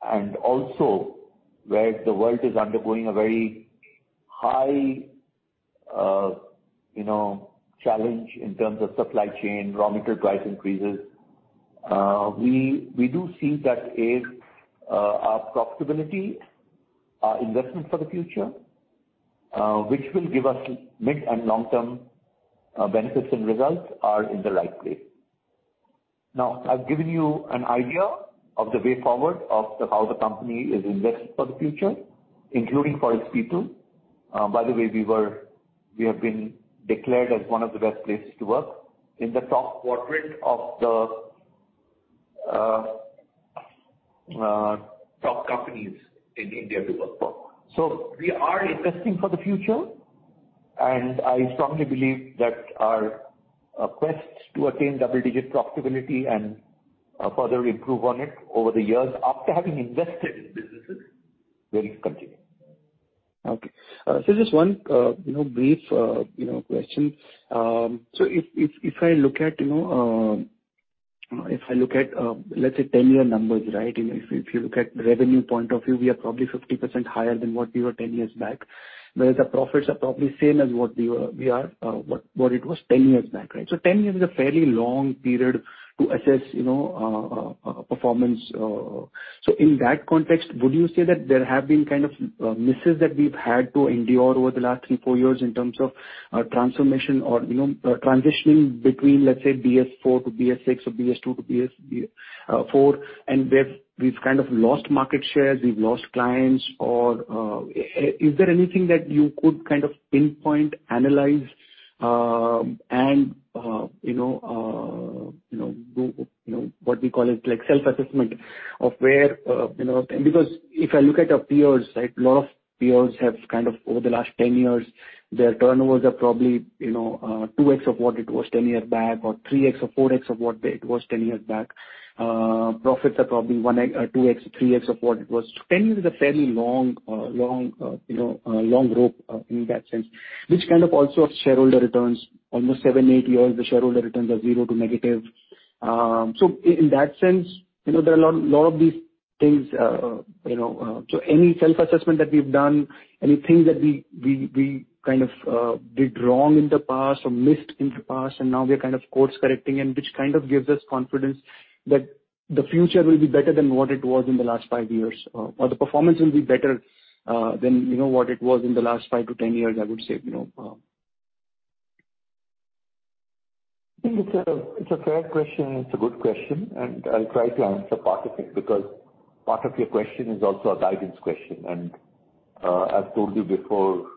Also where the world is undergoing a very high, you know, challenge in terms of supply chain, raw material price increases. We do see that. It is our profitability, our investment for the future, which will give us mid- and long-term benefits and results are in the right place. Now, I've given you an idea of the way forward of how the company is indexed for the future, including for its people. By the way, we have been declared as one of the best places to work in the top quadrant of the top companies in India to work for. We are investing for the future, and I strongly believe that our quest to attain double-digit profitability and further improve on it over the years after having invested in businesses will continue. Okay. Just one, you know, brief question. If I look at, let's say 10-year numbers, right? You know, if you look at revenue point of view, we are probably 50% higher than what we were 10 years back. Whereas the profits are probably same as what it was 10 years back, right? 10 years is a fairly long period to assess, you know, performance. In that context, would you say that there have been kind of misses that we've had to endure over the last three, four years in terms of transformation or, you know, transitioning between, let's say BS IV to BS VI or BS II to BS IV, and we've kind of lost market shares, we've lost clients? Or is there anything that you could kind of pinpoint, analyze, and you know, do, you know, what we call it, like self-assessment of where, you know? Because if I look at our peers, right? A lot of peers have kind of over the last 10 years, their turnovers are probably, you know, 2x of what it was 10 year back, or 3x or 4x of what it was 10 years back. Profits are probably 1x, 2x, 3x of what it was. 10 years is a fairly long rope in that sense, which kind of also shareholder returns. Almost seven-eight years, the shareholder returns are zero to negative. In that sense, you know, there are a lot of these things, you know. Any self-assessment that we've done, anything that we kind of did wrong in the past or missed in the past and now we are kind of course correcting and which kind of gives us confidence that the future will be better than what it was in the last five years, or the performance will be better than you know what it was in the last five to 10 years, I would say, you know. I think it's a fair question, it's a good question, and I'll try to answer part of it because part of your question is also a guidance question. I've told you before,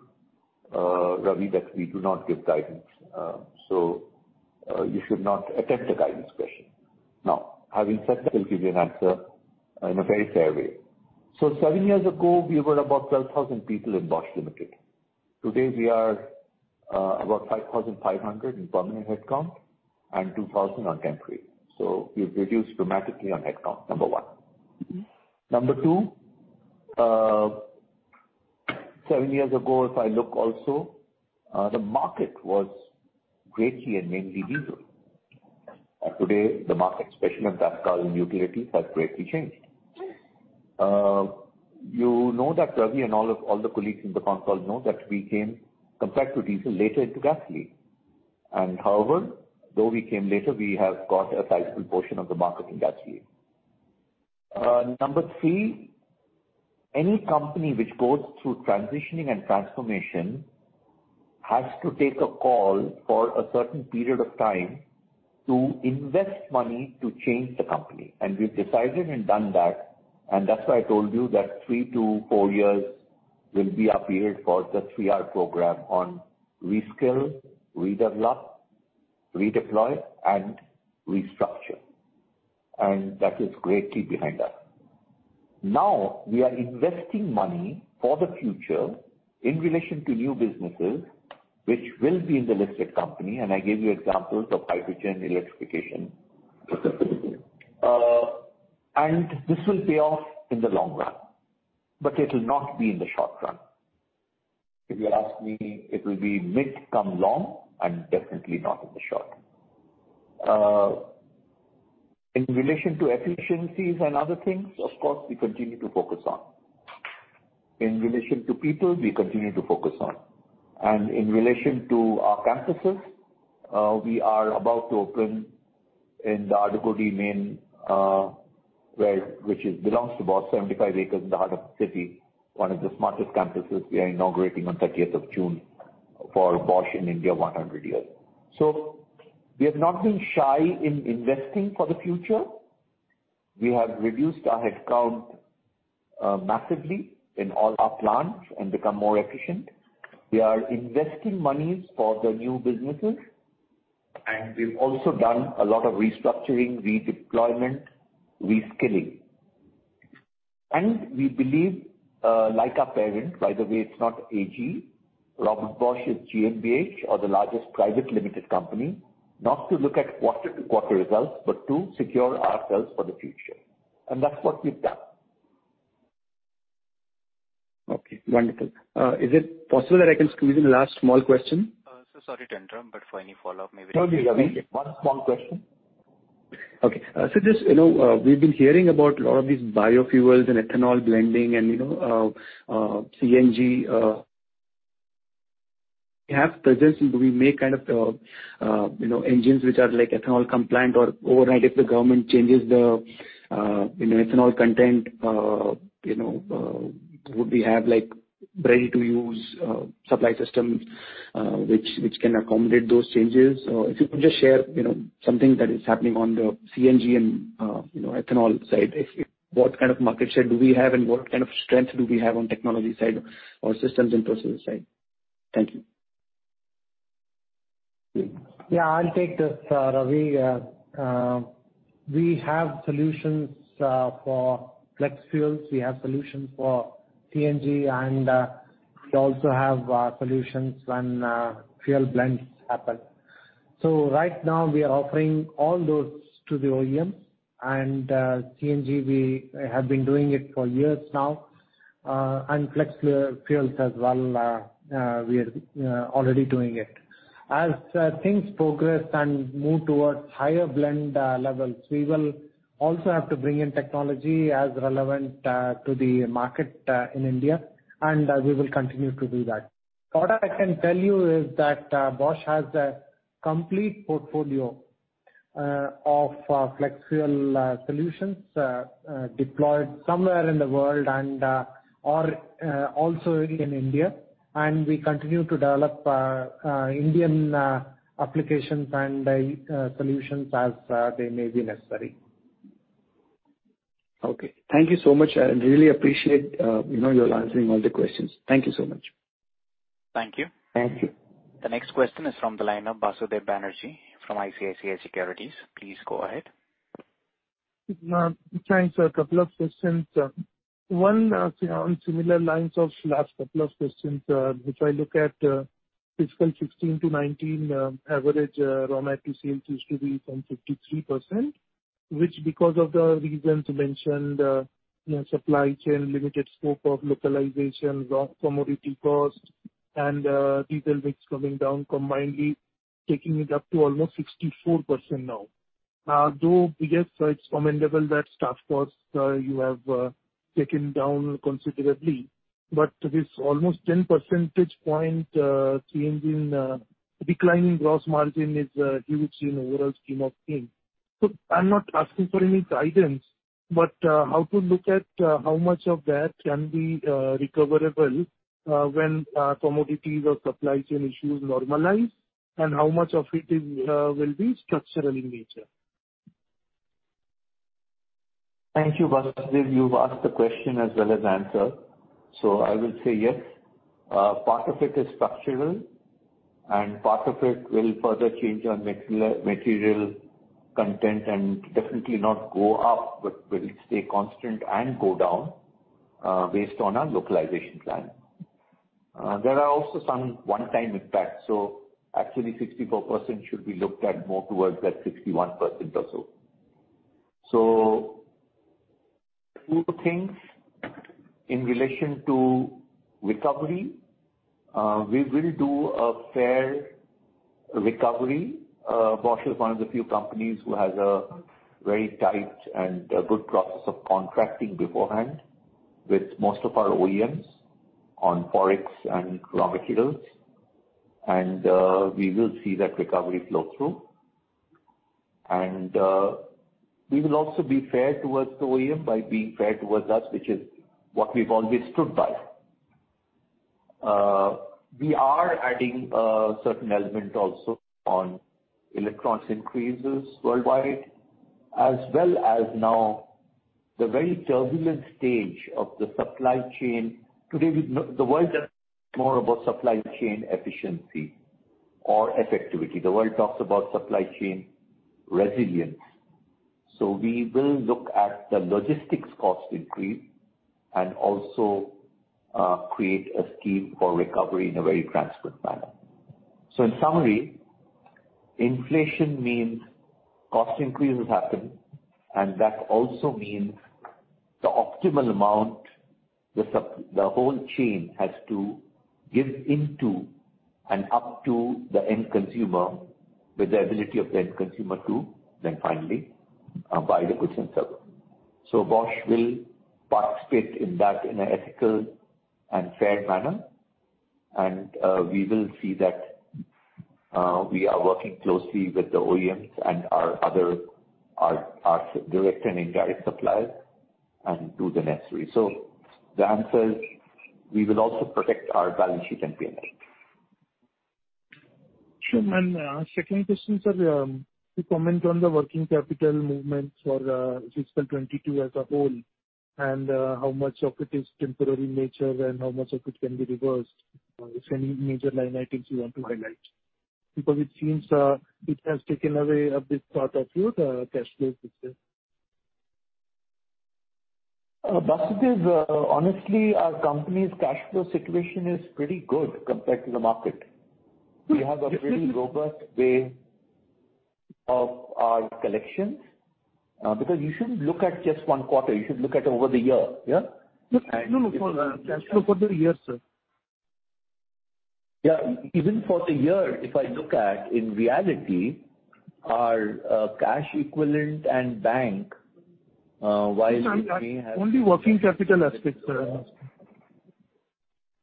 Ravi, that we do not give guidance. You should not attempt a guidance question. Now, having said that, I'll give you an answer in a very fair way. Seven years ago, we were about 12,000 people in Bosch Limited. Today, we are about 5,500 in permanent headcount and 2,000 on temporary. We've reduced dramatically on headcount, number one. Number two, seven years ago, if I look also, the market was largely and mainly diesel. Today, the market, especially on gas, oil, and utilities, has greatly changed. You know that Ravi and all the colleagues in the concall know that we came compared to diesel later into gasoline. However, though we came later, we have got a sizable portion of the market in that space. Number three, any company which goes through transitioning and transformation has to take a call for a certain period of time to invest money to change the company. We've decided and done that, and that's why I told you that three to four years will be a period for the 3R program on reskill, redevelop, redeploy, and restructure. That is greatly behind us. Now, we are investing money for the future in relation to new businesses which will be in the listed company, and I gave you examples of hydrogen electrification. This will pay off in the long run, but it will not be in the short run. If you ask me, it will be mid to long and definitely not in the short. In relation to efficiencies and other things, of course, we continue to focus on. In relation to people, we continue to focus on. In relation to our campuses, we are about to open in the Adugodi main, which belongs to about 75 acres in the heart of the city, one of the smartest campuses we are inaugurating on thirtieth of June for Bosch in India one hundred years. We have not been shy in investing for the future. We have reduced our headcount massively in all our plants and become more efficient. We are investing monies for the new businesses, and we've also done a lot of restructuring, redeployment, reskilling. We believe, like our parent, by the way, it's not AG. Robert Bosch GmbH or the largest private limited company, not to look at quarter-to-quarter results, but to secure ourselves for the future. That's what we've done. Okay, wonderful. Is it possible that I can squeeze in the last small question? Sorry, Chandram, but for any follow-up, maybe. Sure thing, Ravi. One small question. Okay. So just, you know, we've been hearing about a lot of these biofuels and ethanol blending and, you know, CNG, we have presence, do we make kind of, you know, engines which are like ethanol compliant or overnight if the government changes the, you know, ethanol content, you know, would we have like ready-to-use, supply systems, which can accommodate those changes? Or if you could just share, you know, something that is happening on the CNG and, you know, ethanol side. If what kind of market share do we have and what kind of strength do we have on technology side or systems and processes side? Thank you. Yeah, I'll take this, Ravi. We have solutions for Flex Fuel. We have solutions for CNG, and we also have solutions when fuel blends happen. Right now we are offering all those to the OEM, and CNG we have been doing it for years now, and Flex Fuel as well, we are already doing it. As things progress and move towards higher blend levels, we will also have to bring in technology as relevant to the market in India, and we will continue to do that. What I can tell you is that Bosch has a complete portfolio of Flex Fuel solutions deployed somewhere in the world and or also in India. We continue to develop Indian applications and solutions as they may be necessary. Okay. Thank you so much. I really appreciate, you know, your answering all the questions. Thank you so much. Thank you. Thank you. The next question is from the line of Basudeb Banerjee from ICICI Securities. Please go ahead. Thanks. A couple of questions. One, on similar lines of last couple of questions, if I look at fiscal 2016 to 2019, average RM as a % of TC used to be from 53%, which because of the reasons mentioned, you know, supply chain, limited scope of localization, raw commodity cost and diesel mix coming down combinedly, taking it up to almost 64% now. Though we guess it's commendable that staff costs you have taken down considerably, but this almost 10 percentage point change in decline in gross margin is huge in overall scheme of things. I'm not asking for any guidance, but how to look at how much of that can be recoverable when commodities or supply chain issues normalize, and how much of it will be structural in nature. Thank you, Basudeb. You've asked the question as well as answered. I will say, yes, part of it is structural and part of it will further change on material content and definitely not go up, but will stay constant and go down, based on our localization plan. There are also some one-time impacts. Actually 64% should be looked at more towards that 61% or so. Two things in relation to recovery. We will do a fair recovery. Bosch is one of the few companies who has a very tight and a good process of contracting beforehand with most of our OEMs on Forex and raw materials. We will see that recovery flow through. We will also be fair towards the OEM by being fair towards us, which is what we've always stood by. We are adding a certain element also on electronics increases worldwide as well as now the very turbulent stage of the supply chain. Today the world doesn't talk more about supply chain efficiency or effectivity. The world talks about supply chain resilience. We will look at the logistics cost increase and also create a scheme for recovery in a very transparent manner. In summary, inflation means cost increases happen, and that also means the optimal amount the whole chain has to give into and up to the end consumer with the ability of the end consumer to then finally buy the goods themselves. Bosch will participate in that in an ethical and fair manner, and we will see that we are working closely with the OEMs and our other our direct and indirect suppliers and do the necessary. The answer is, we will also protect our balance sheet and P&L. Sure. Second question, sir. If you comment on the working capital movements for fiscal 2022 as a whole, and how much of it is temporary nature and how much of it can be reversed. If any major line items you want to highlight. Because it seems it has taken away a big part of your cash flow position. Basudeb, honestly, our company's cash flow situation is pretty good compared to the market. Good. We have a pretty robust way of our collections. Because you shouldn't look at just one quarter, you should look at over the year, yeah. No, no, for the cash flow for the year, sir. Yeah. Even for the year, if I look at, in reality, our cash equivalent and bank while it may have. Only working capital aspects, sir. I'm asking.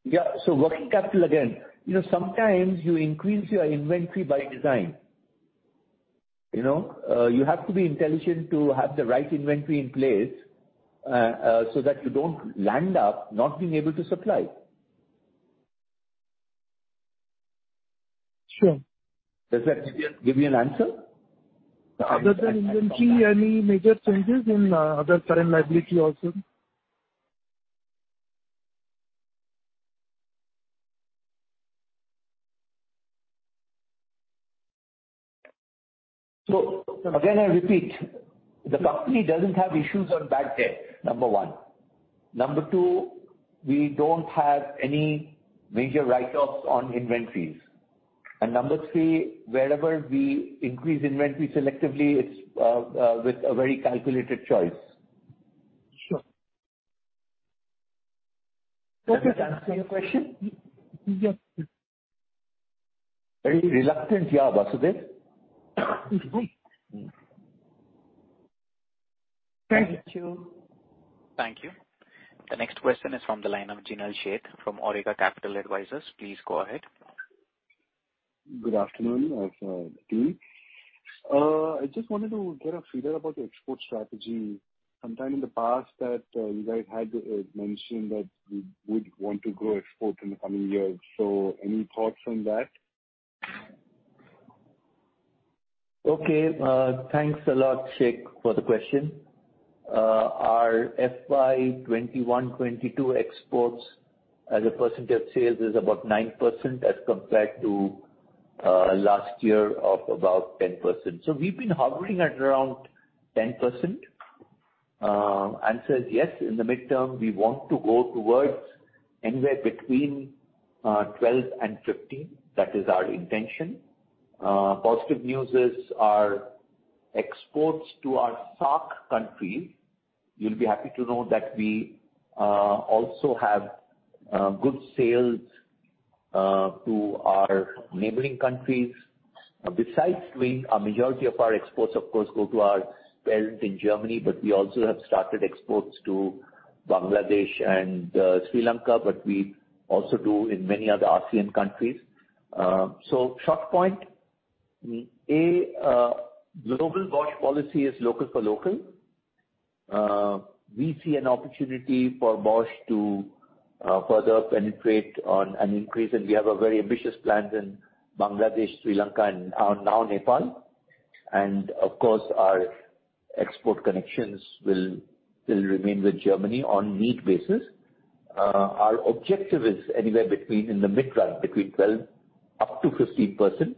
Yeah. Working capital again. You know, sometimes you increase your inventory by design. You know? You have to be intelligent to have the right inventory in place, so that you don't land up not being able to supply. Sure. Does that give you an answer? Other than inventory, any major changes in other current liability also? Again, I repeat, the company doesn't have issues on bad debt, number one. Number two, we don't have any major write-offs on inventories. Number three, wherever we increase inventory selectively, it's with a very calculated choice. Sure. Does that answer your question? Yes. Very reluctant, yeah, Basudeb. Thank you. Thank you. The next question is from the line of Jinal Sheth from Orega Capital Advisors. Please go ahead. Good afternoon, team. I just wanted to get a feel about the export strategy. Sometime in the past that you guys had mentioned that you would want to grow export in the coming years. Any thoughts on that? Okay. Thanks a lot, Sheth, for the question. Our FY 2021/2022 exports as a percentage of sales is about 9% as compared to last year of about 10%. We've been hovering at around 10%. Answer is yes. In the midterm, we want to go towards anywhere between 12% and 15%. That is our intention. Positive news is our exports to our SAARC countries. You'll be happy to know that we also have good sales to our neighboring countries. Besides doing a majority of our exports of course go to our parent in Germany, but we also have started exports to Bangladesh and Sri Lanka, but we also do in many other ASEAN countries. Short point. A global Bosch policy is local for local. We see an opportunity for Bosch to further penetrate on an increase, and we have a very ambitious plan in Bangladesh, Sri Lanka and Nepal. Of course, our export connections will remain with Germany on need basis. Our objective is anywhere between in the mid-run, between 12 up to 15%.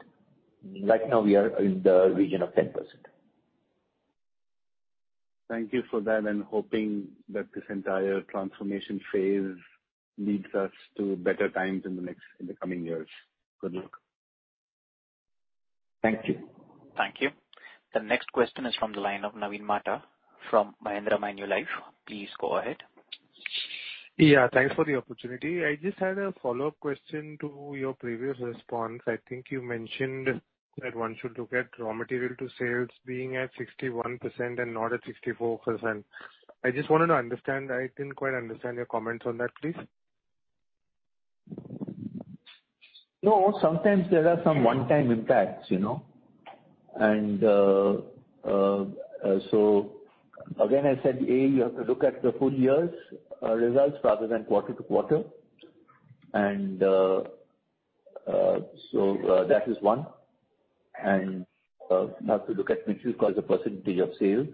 Right now we are in the region of 10%. Thank you for that, and hoping that this entire transformation phase leads us to better times in the coming years. Good luck. Thank you. Thank you. The next question is from the line of Naveen Mata from Mahindra Manulife. Please go ahead. Yeah, thanks for the opportunity. I just had a follow-up question to your previous response. I think you mentioned that one should look at raw material to sales being at 61% and not at 64%. I just wanted to understand. I didn't quite understand your comments on that, please. No, sometimes there are some one-time impacts, you know. So again I said, A, you have to look at the full year's results rather than quarter to quarter. That is one. You have to look at material cost as a % of sales.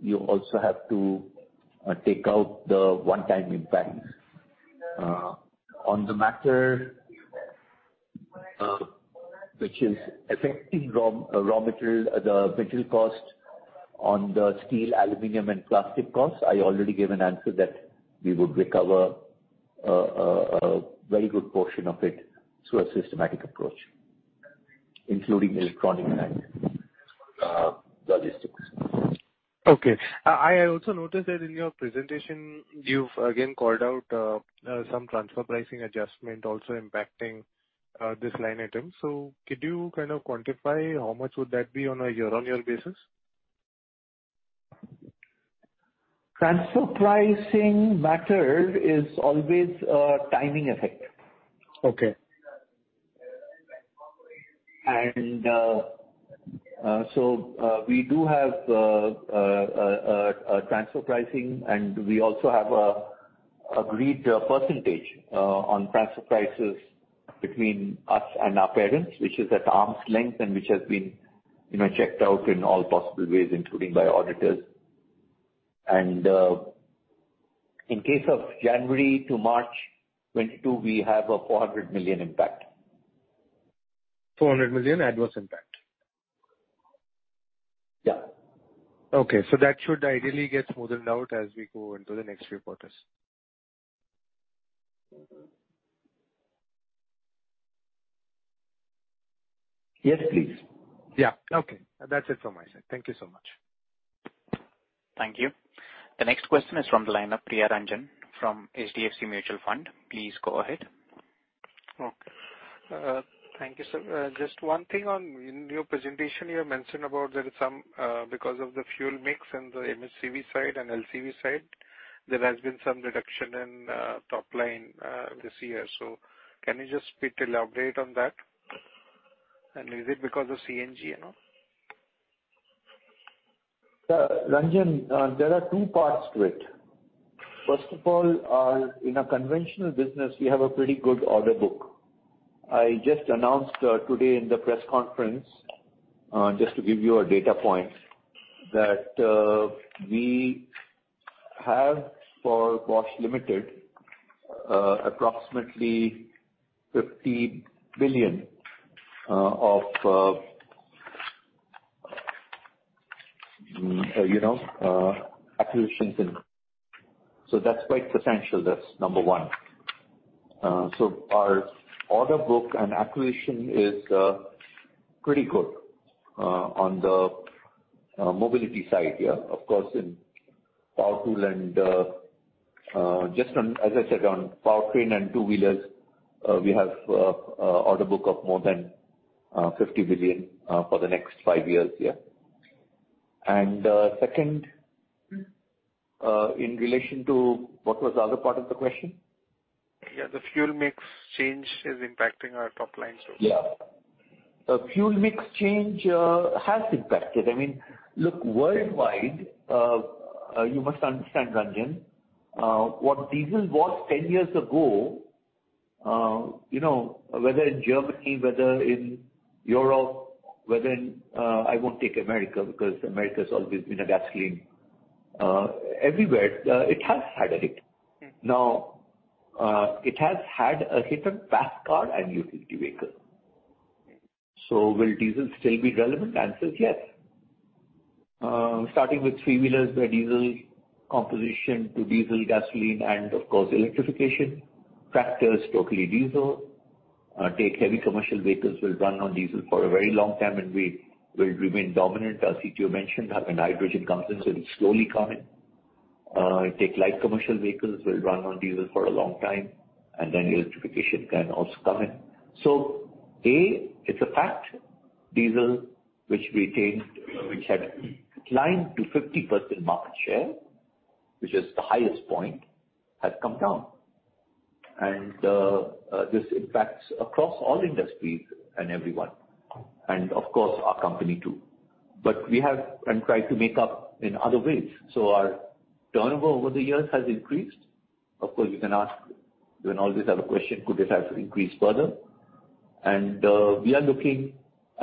You also have to take out the one-time impacts. On the matter, which is affecting raw material, the material cost on the steel, aluminum and plastic costs, I already gave an answer that we would recover a very good portion of it through a systematic approach, including electronic logistics. Okay. I also noticed that in your presentation you've again called out some transfer pricing adjustment also impacting this line item. Could you kind of quantify how much would that be on a year-on-year basis? Transfer pricing matter is always a timing effect. Okay. We do have a transfer pricing, and we also have an agreed percentage on transfer prices between us and our parents, which is at arm's length and which has been, you know, checked out in all possible ways, including by auditors. In case of January to March 2022, we have an 400 million impact. 400 million adverse impact? Yeah. Okay. That should ideally get smoothened out as we go into the next quarters. Yes, please. Yeah, okay. That's it from my side. Thank you so much. Thank you. The next question is from the line of Priya Ranjan from HDFC Mutual Fund. Please go ahead. Okay. Thank you, sir. Just one thing on in your presentation you have mentioned about there is some, because of the fuel mix and the MHCV side and LCV side, there has been some reduction in, top line, this year. Can you just bit elaborate on that? And is it because of CNG, you know? Sir, Ranjan, there are two parts to it. First of all, in our conventional business we have a pretty good order book. I just announced today in the press conference, just to give you a data point, that we have for Bosch Limited approximately INR 50 billion of you know acquisitions in. So that's quite substantial. That's number one. So our order book and acquisition is pretty good on the mobility side, yeah. Of course, in Power Tools and, as I said, on Powertrain and two-wheelers we have an order book of more than 50 billion for the next five years. Yeah. Second, in relation to what was the other part of the question? Yeah, the fuel mix change is impacting our top line too. Yeah. A fuel mix change has impacted. I mean, look, worldwide, you must understand, Ranjan, what diesel was 10 years ago, you know, whether in Germany, whether in Europe, whether in, I won't take America because America's always been a gasoline. Everywhere, it has had a hit. Mm-hmm. It has had a hit on passenger car and utility vehicle. Will diesel still be relevant? Answer is yes. Starting with three-wheelers where diesel composition to diesel, gasoline and of course, electrification. Tractors, totally diesel. Take heavy commercial vehicles will run on diesel for a very long time and we will remain dominant. Our CTO mentioned when hydrogen comes in, so it'll slowly come in. Take light commercial vehicles will run on diesel for a long time and then electrification can also come in. It's a fact diesel which had climbed to 50% market share which is the highest point has come down. This impacts across all industries and everyone and of course our company too. We have tried to make up in other ways. Our turnover over the years has increased. Of course, you can ask, you can always have a question, could it have increased further? I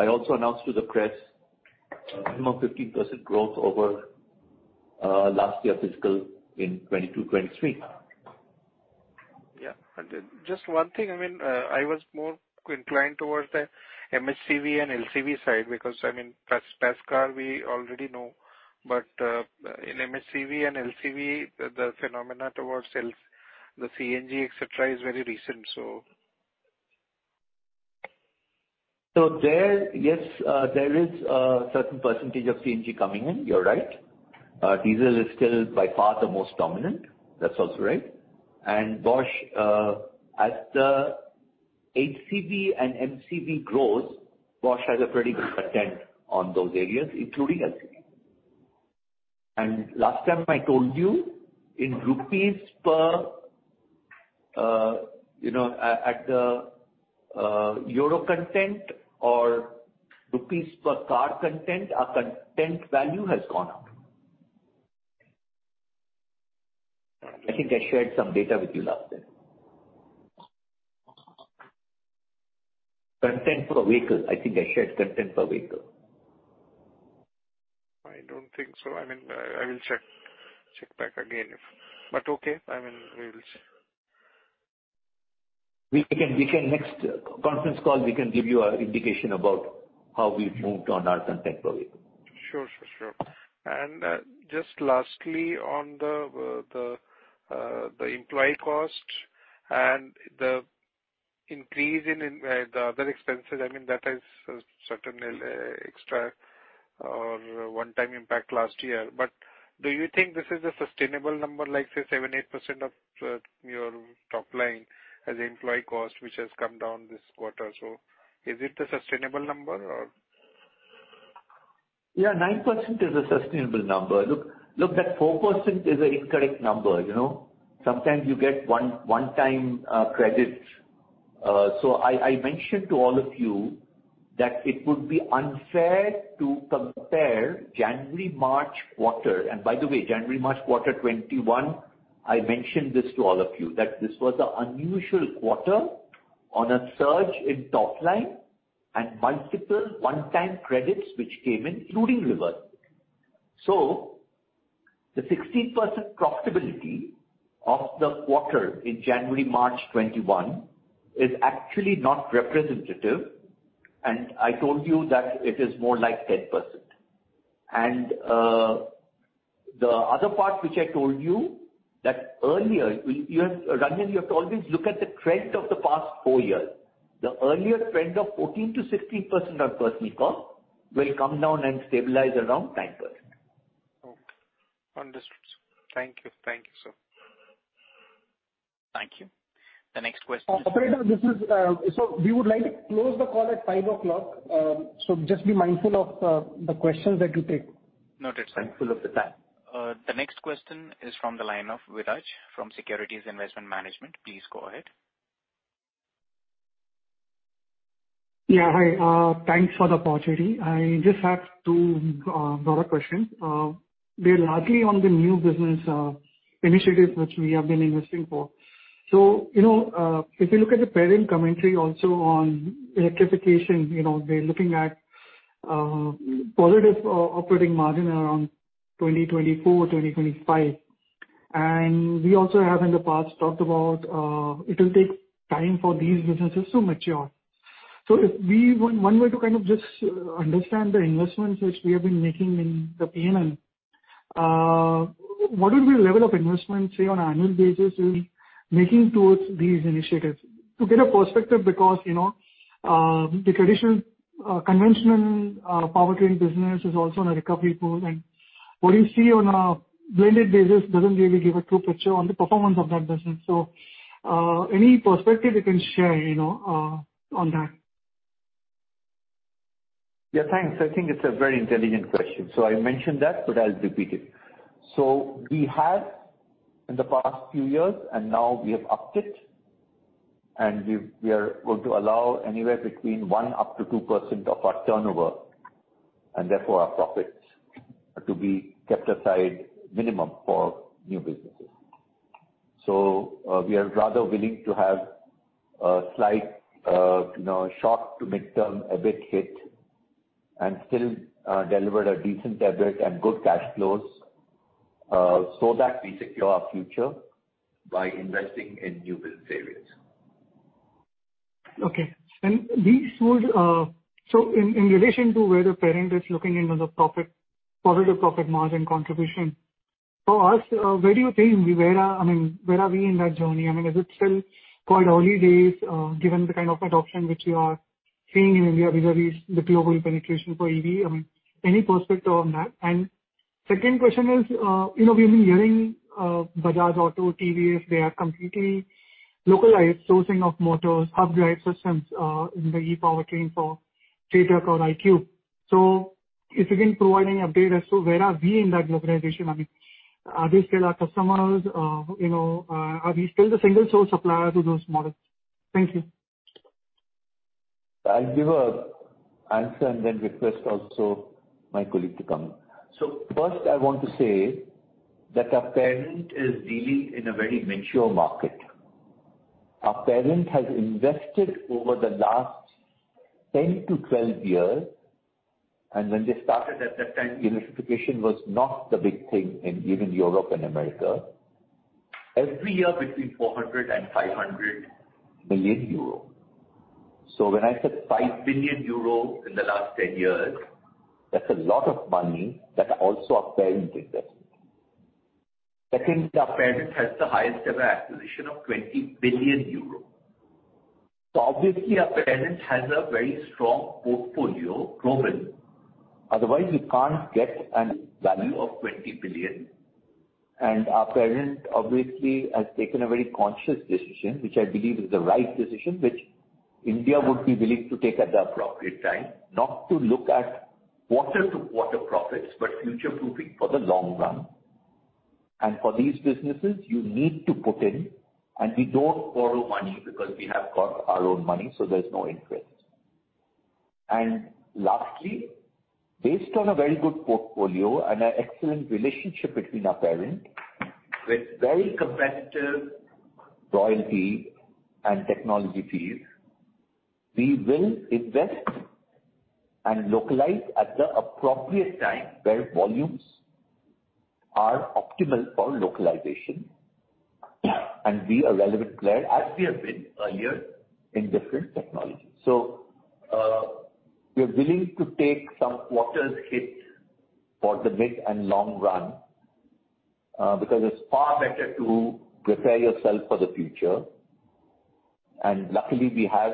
also announced to the press a minimum 15% growth over last year fiscal in 2022, 2023. Just one thing, I mean, I was more inclined towards the MHCV and LCV side because I mean, passenger car we already know. In MHCV and LCV, the phenomena towards sales, the CNG, et cetera, is very recent, so. There, yes, there is a certain percentage of CNG coming in. You're right. Diesel is still by far the most dominant. That's also right. Bosch, as the HCV and MCV grows, Bosch has a pretty good content on those areas, including LCV. Last time I told you, in rupees per, you know, at the euro content or rupees per car content, our content value has gone up. I think I shared some data with you last time. Content per vehicle. I think I shared content per vehicle. I don't think so. I mean, I will check back again. Okay. I mean, we'll see. In the next conference call, we can give you an indication about how we've moved on our content per vehicle. Sure. Just lastly on the employee cost and the increase in the other expenses, I mean, that is certainly extra or one-time impact last year. Do you think this is a sustainable number, like say 7%-8% of your top line as employee cost which has come down this quarter? Is it a sustainable number or? Yeah, 9% is a sustainable number. Look, that 4% is an incorrect number. You know, sometimes you get one-time credits. I mentioned to all of you that it would be unfair to compare January-March quarter. By the way, January-March quarter 2021, I mentioned this to all of you, that this was an unusual quarter on a surge in top line and multiple one-time credits which came in, including reversal. So the 16% profitability of the quarter in January-March 2021 is actually not representative, and I told you that it is more like 10%. The other part which I told you that earlier, Ranjan, you have to always look at the trend of the past four years. The earlier trend of 14%-16% on personnel cost will come down and stabilize around 10%. Okay. Understood, sir. Thank you. Thank you, sir. Thank you. The next question. Operator, this is so we would like to close the call at 5:00 P.M., so just be mindful of the questions that you take. Noted, sir. Mindful of the time. The next question is from the line of Viraj from Securities Investment Management. Please go ahead. Yeah. Hi. Thanks for the opportunity. I just have two broad questions. They're largely on the new business initiatives which we have been investing for. You know, if you look at the parent commentary also on electrification, you know, they're looking at positive operating margin around 2024, 2025. We also have in the past talked about it will take time for these businesses to mature. If we one way to kind of just understand the investments which we have been making in the P&L, what will be the level of investment, say, on annual basis we'll be making towards these initiatives? To get a perspective because, you know, the traditional, conventional, powertrain business is also in a recovery pool, and what you see on a blended basis doesn't really give a true picture on the performance of that business. So, any perspective you can share, you know, on that? Yeah, thanks. I think it's a very intelligent question. I mentioned that, but I'll repeat it. We have in the past few years, and now we have upped it, and we are going to allow anywhere between 1% up to 2% of our turnover, and therefore our profits to be kept aside minimum for new businesses. We are rather willing to have a slight, you know, shock to mid-term EBIT hit and still, deliver a decent EBIT and good cash flows, so that we secure our future by investing in new business areas. In relation to where the parent is looking into the profit, positive profit margin contribution, for us, where are we in that journey? I mean, is it still quite early days, given the kind of adoption which you are seeing in India vis-a-vis the global penetration for EV? I mean, any perspective on that? Second question is, you know, we've been hearing, Bajaj Auto, TVS, they are completely localized sourcing of motors, hub drive systems, in the e-powertrain for If you can provide any update as to where are we in that globalization? I mean, are they still our customers? You know, are we still the single source supplier to those models? Thank you. I'll give an answer and then request also my colleague to come in. First, I want to say that our parent is dealing in a very mature market. Our parent has invested over the last 10-12 years, and when they started at that time, electrification was not the big thing in even Europe and America. Every year between 400 million euros and 500 million euro. When I said 5 billion euro in the last 10 years, that's a lot of money that also our parent invested. Second, our parent has the highest ever acquisition of 20 billion euro. Obviously, our parent has a very strong portfolio globally. Otherwise, we can't get a value of 20 billion. Our parent obviously has taken a very conscious decision, which I believe is the right decision, which India would be willing to take at the appropriate time, not to look at quarter-to-quarter profits, but future-proofing for the long run. For these businesses, you need to put in, and we don't borrow money because we have got our own money, so there's no interest. Lastly, based on a very good portfolio and an excellent relationship between our parent with very competitive royalty and technology fees, we will invest and localize at the appropriate time where volumes are optimal for localization and be a relevant player as we have been earlier in different technologies. We are willing to take some quarters hit for the mid and long run, because it's far better to prepare yourself for the future. Luckily, we have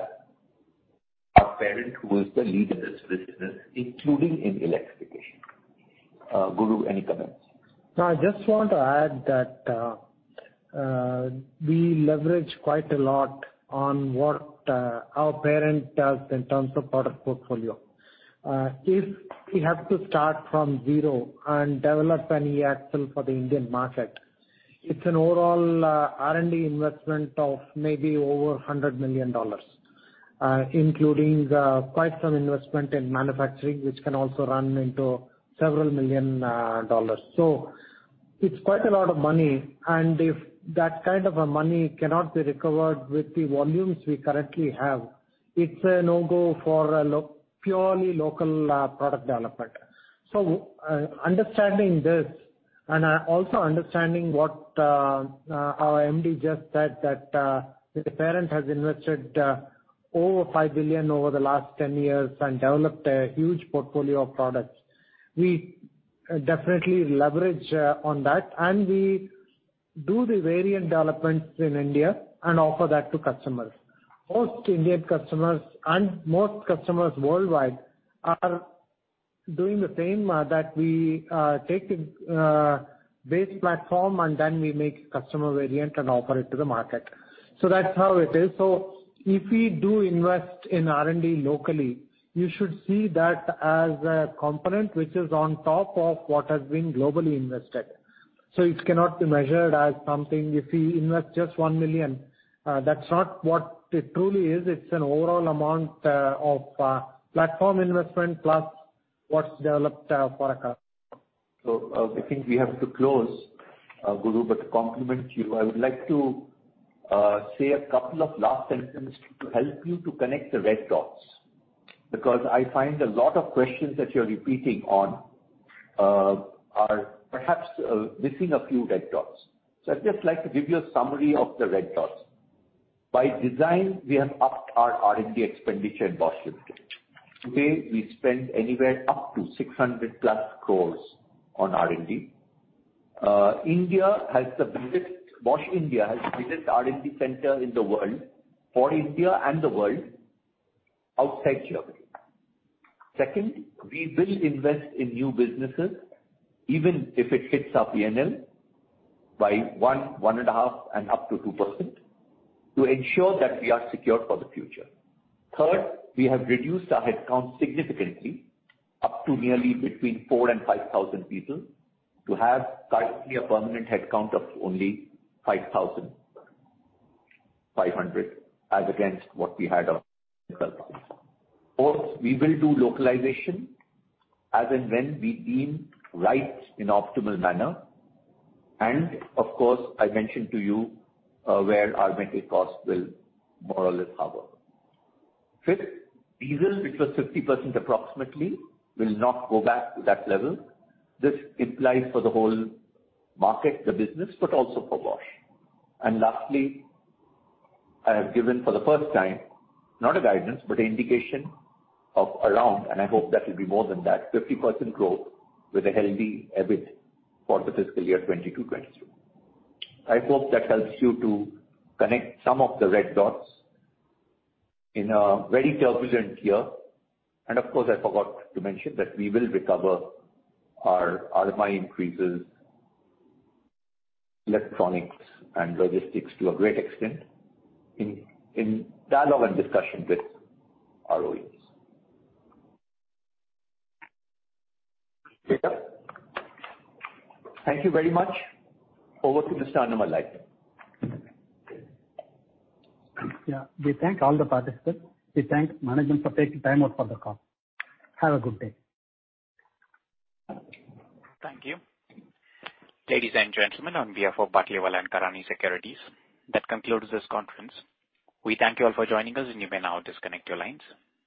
a parent who is the lead in this business, including in electrification. Guru, any comments? No, I just want to add that we leverage quite a lot on what our parent does in terms of product portfolio. If we have to start from zero and develop any axle for the Indian market, it's an overall R&D investment of maybe over $100 million, including quite some investment in manufacturing, which can also run into $several million. It's quite a lot of money. If that kind of a money cannot be recovered with the volumes we currently have, it's a no-go for purely local product development. Understanding this and also understanding what our MD just said that the parent has invested over $5 billion over the last 10 years and developed a huge portfolio of products. We definitely leverage on that, and we do the variant developments in India and offer that to customers. Most Indian customers and most customers worldwide are doing the same, that we take a base platform, and then we make customer variant and offer it to the market. That's how it is. If we do invest in R&D locally, you should see that as a component which is on top of what has been globally invested. It cannot be measured as something. If we invest just 1 million, that's not what it truly is. It's an overall amount of platform investment plus what's developed for a car. I think we have to close, Guru. To complement you, I would like to say a couple of last sentences to help you to connect the red dots, because I find a lot of questions that you're repeating on are perhaps missing a few red dots. I'd just like to give you a summary of the red dots. By design, we have upped our R&D expenditure in Bosch Limited. Today, we spend anywhere up to 600+ crores on R&D. Bosch India has the biggest R&D center in the world for India and the world outside Germany. Second, we will invest in new businesses even if it hits our P&L by 1.5 and up to 2% to ensure that we are secured for the future. Third, we have reduced our headcount significantly up to nearly between 4,000 and 5,000 people to have currently a permanent headcount of only 5,500 as against what we had of 12,000. Fourth, we will do localization as and when we deem right in optimal manner. Of course, I mentioned to you where our material costs will more or less hover. Fifth, diesel, which was 50% approximately, will not go back to that level. This implies for the whole market, the business, but also for Bosch. Lastly, I have given for the first time, not a guidance, but an indication of around, and I hope that will be more than that, 50% growth with a healthy EBIT for the fiscal year 2022-2023. I hope that helps you to connect some of the red dots in a very turbulent year. Of course, I forgot to mention that we will recover our RM increases in electronics and logistics to a great extent in dialogue and discussion with our OEs. Kripa, thank you very much. Over to Mr. Annamalai. Yeah. We thank all the participants. We thank management for taking time out for the call. Have a good day. Thank you. Ladies and gentlemen, on behalf of Batlivala & Karani Securities, that concludes this conference. We thank you all for joining us, and you may now disconnect your lines.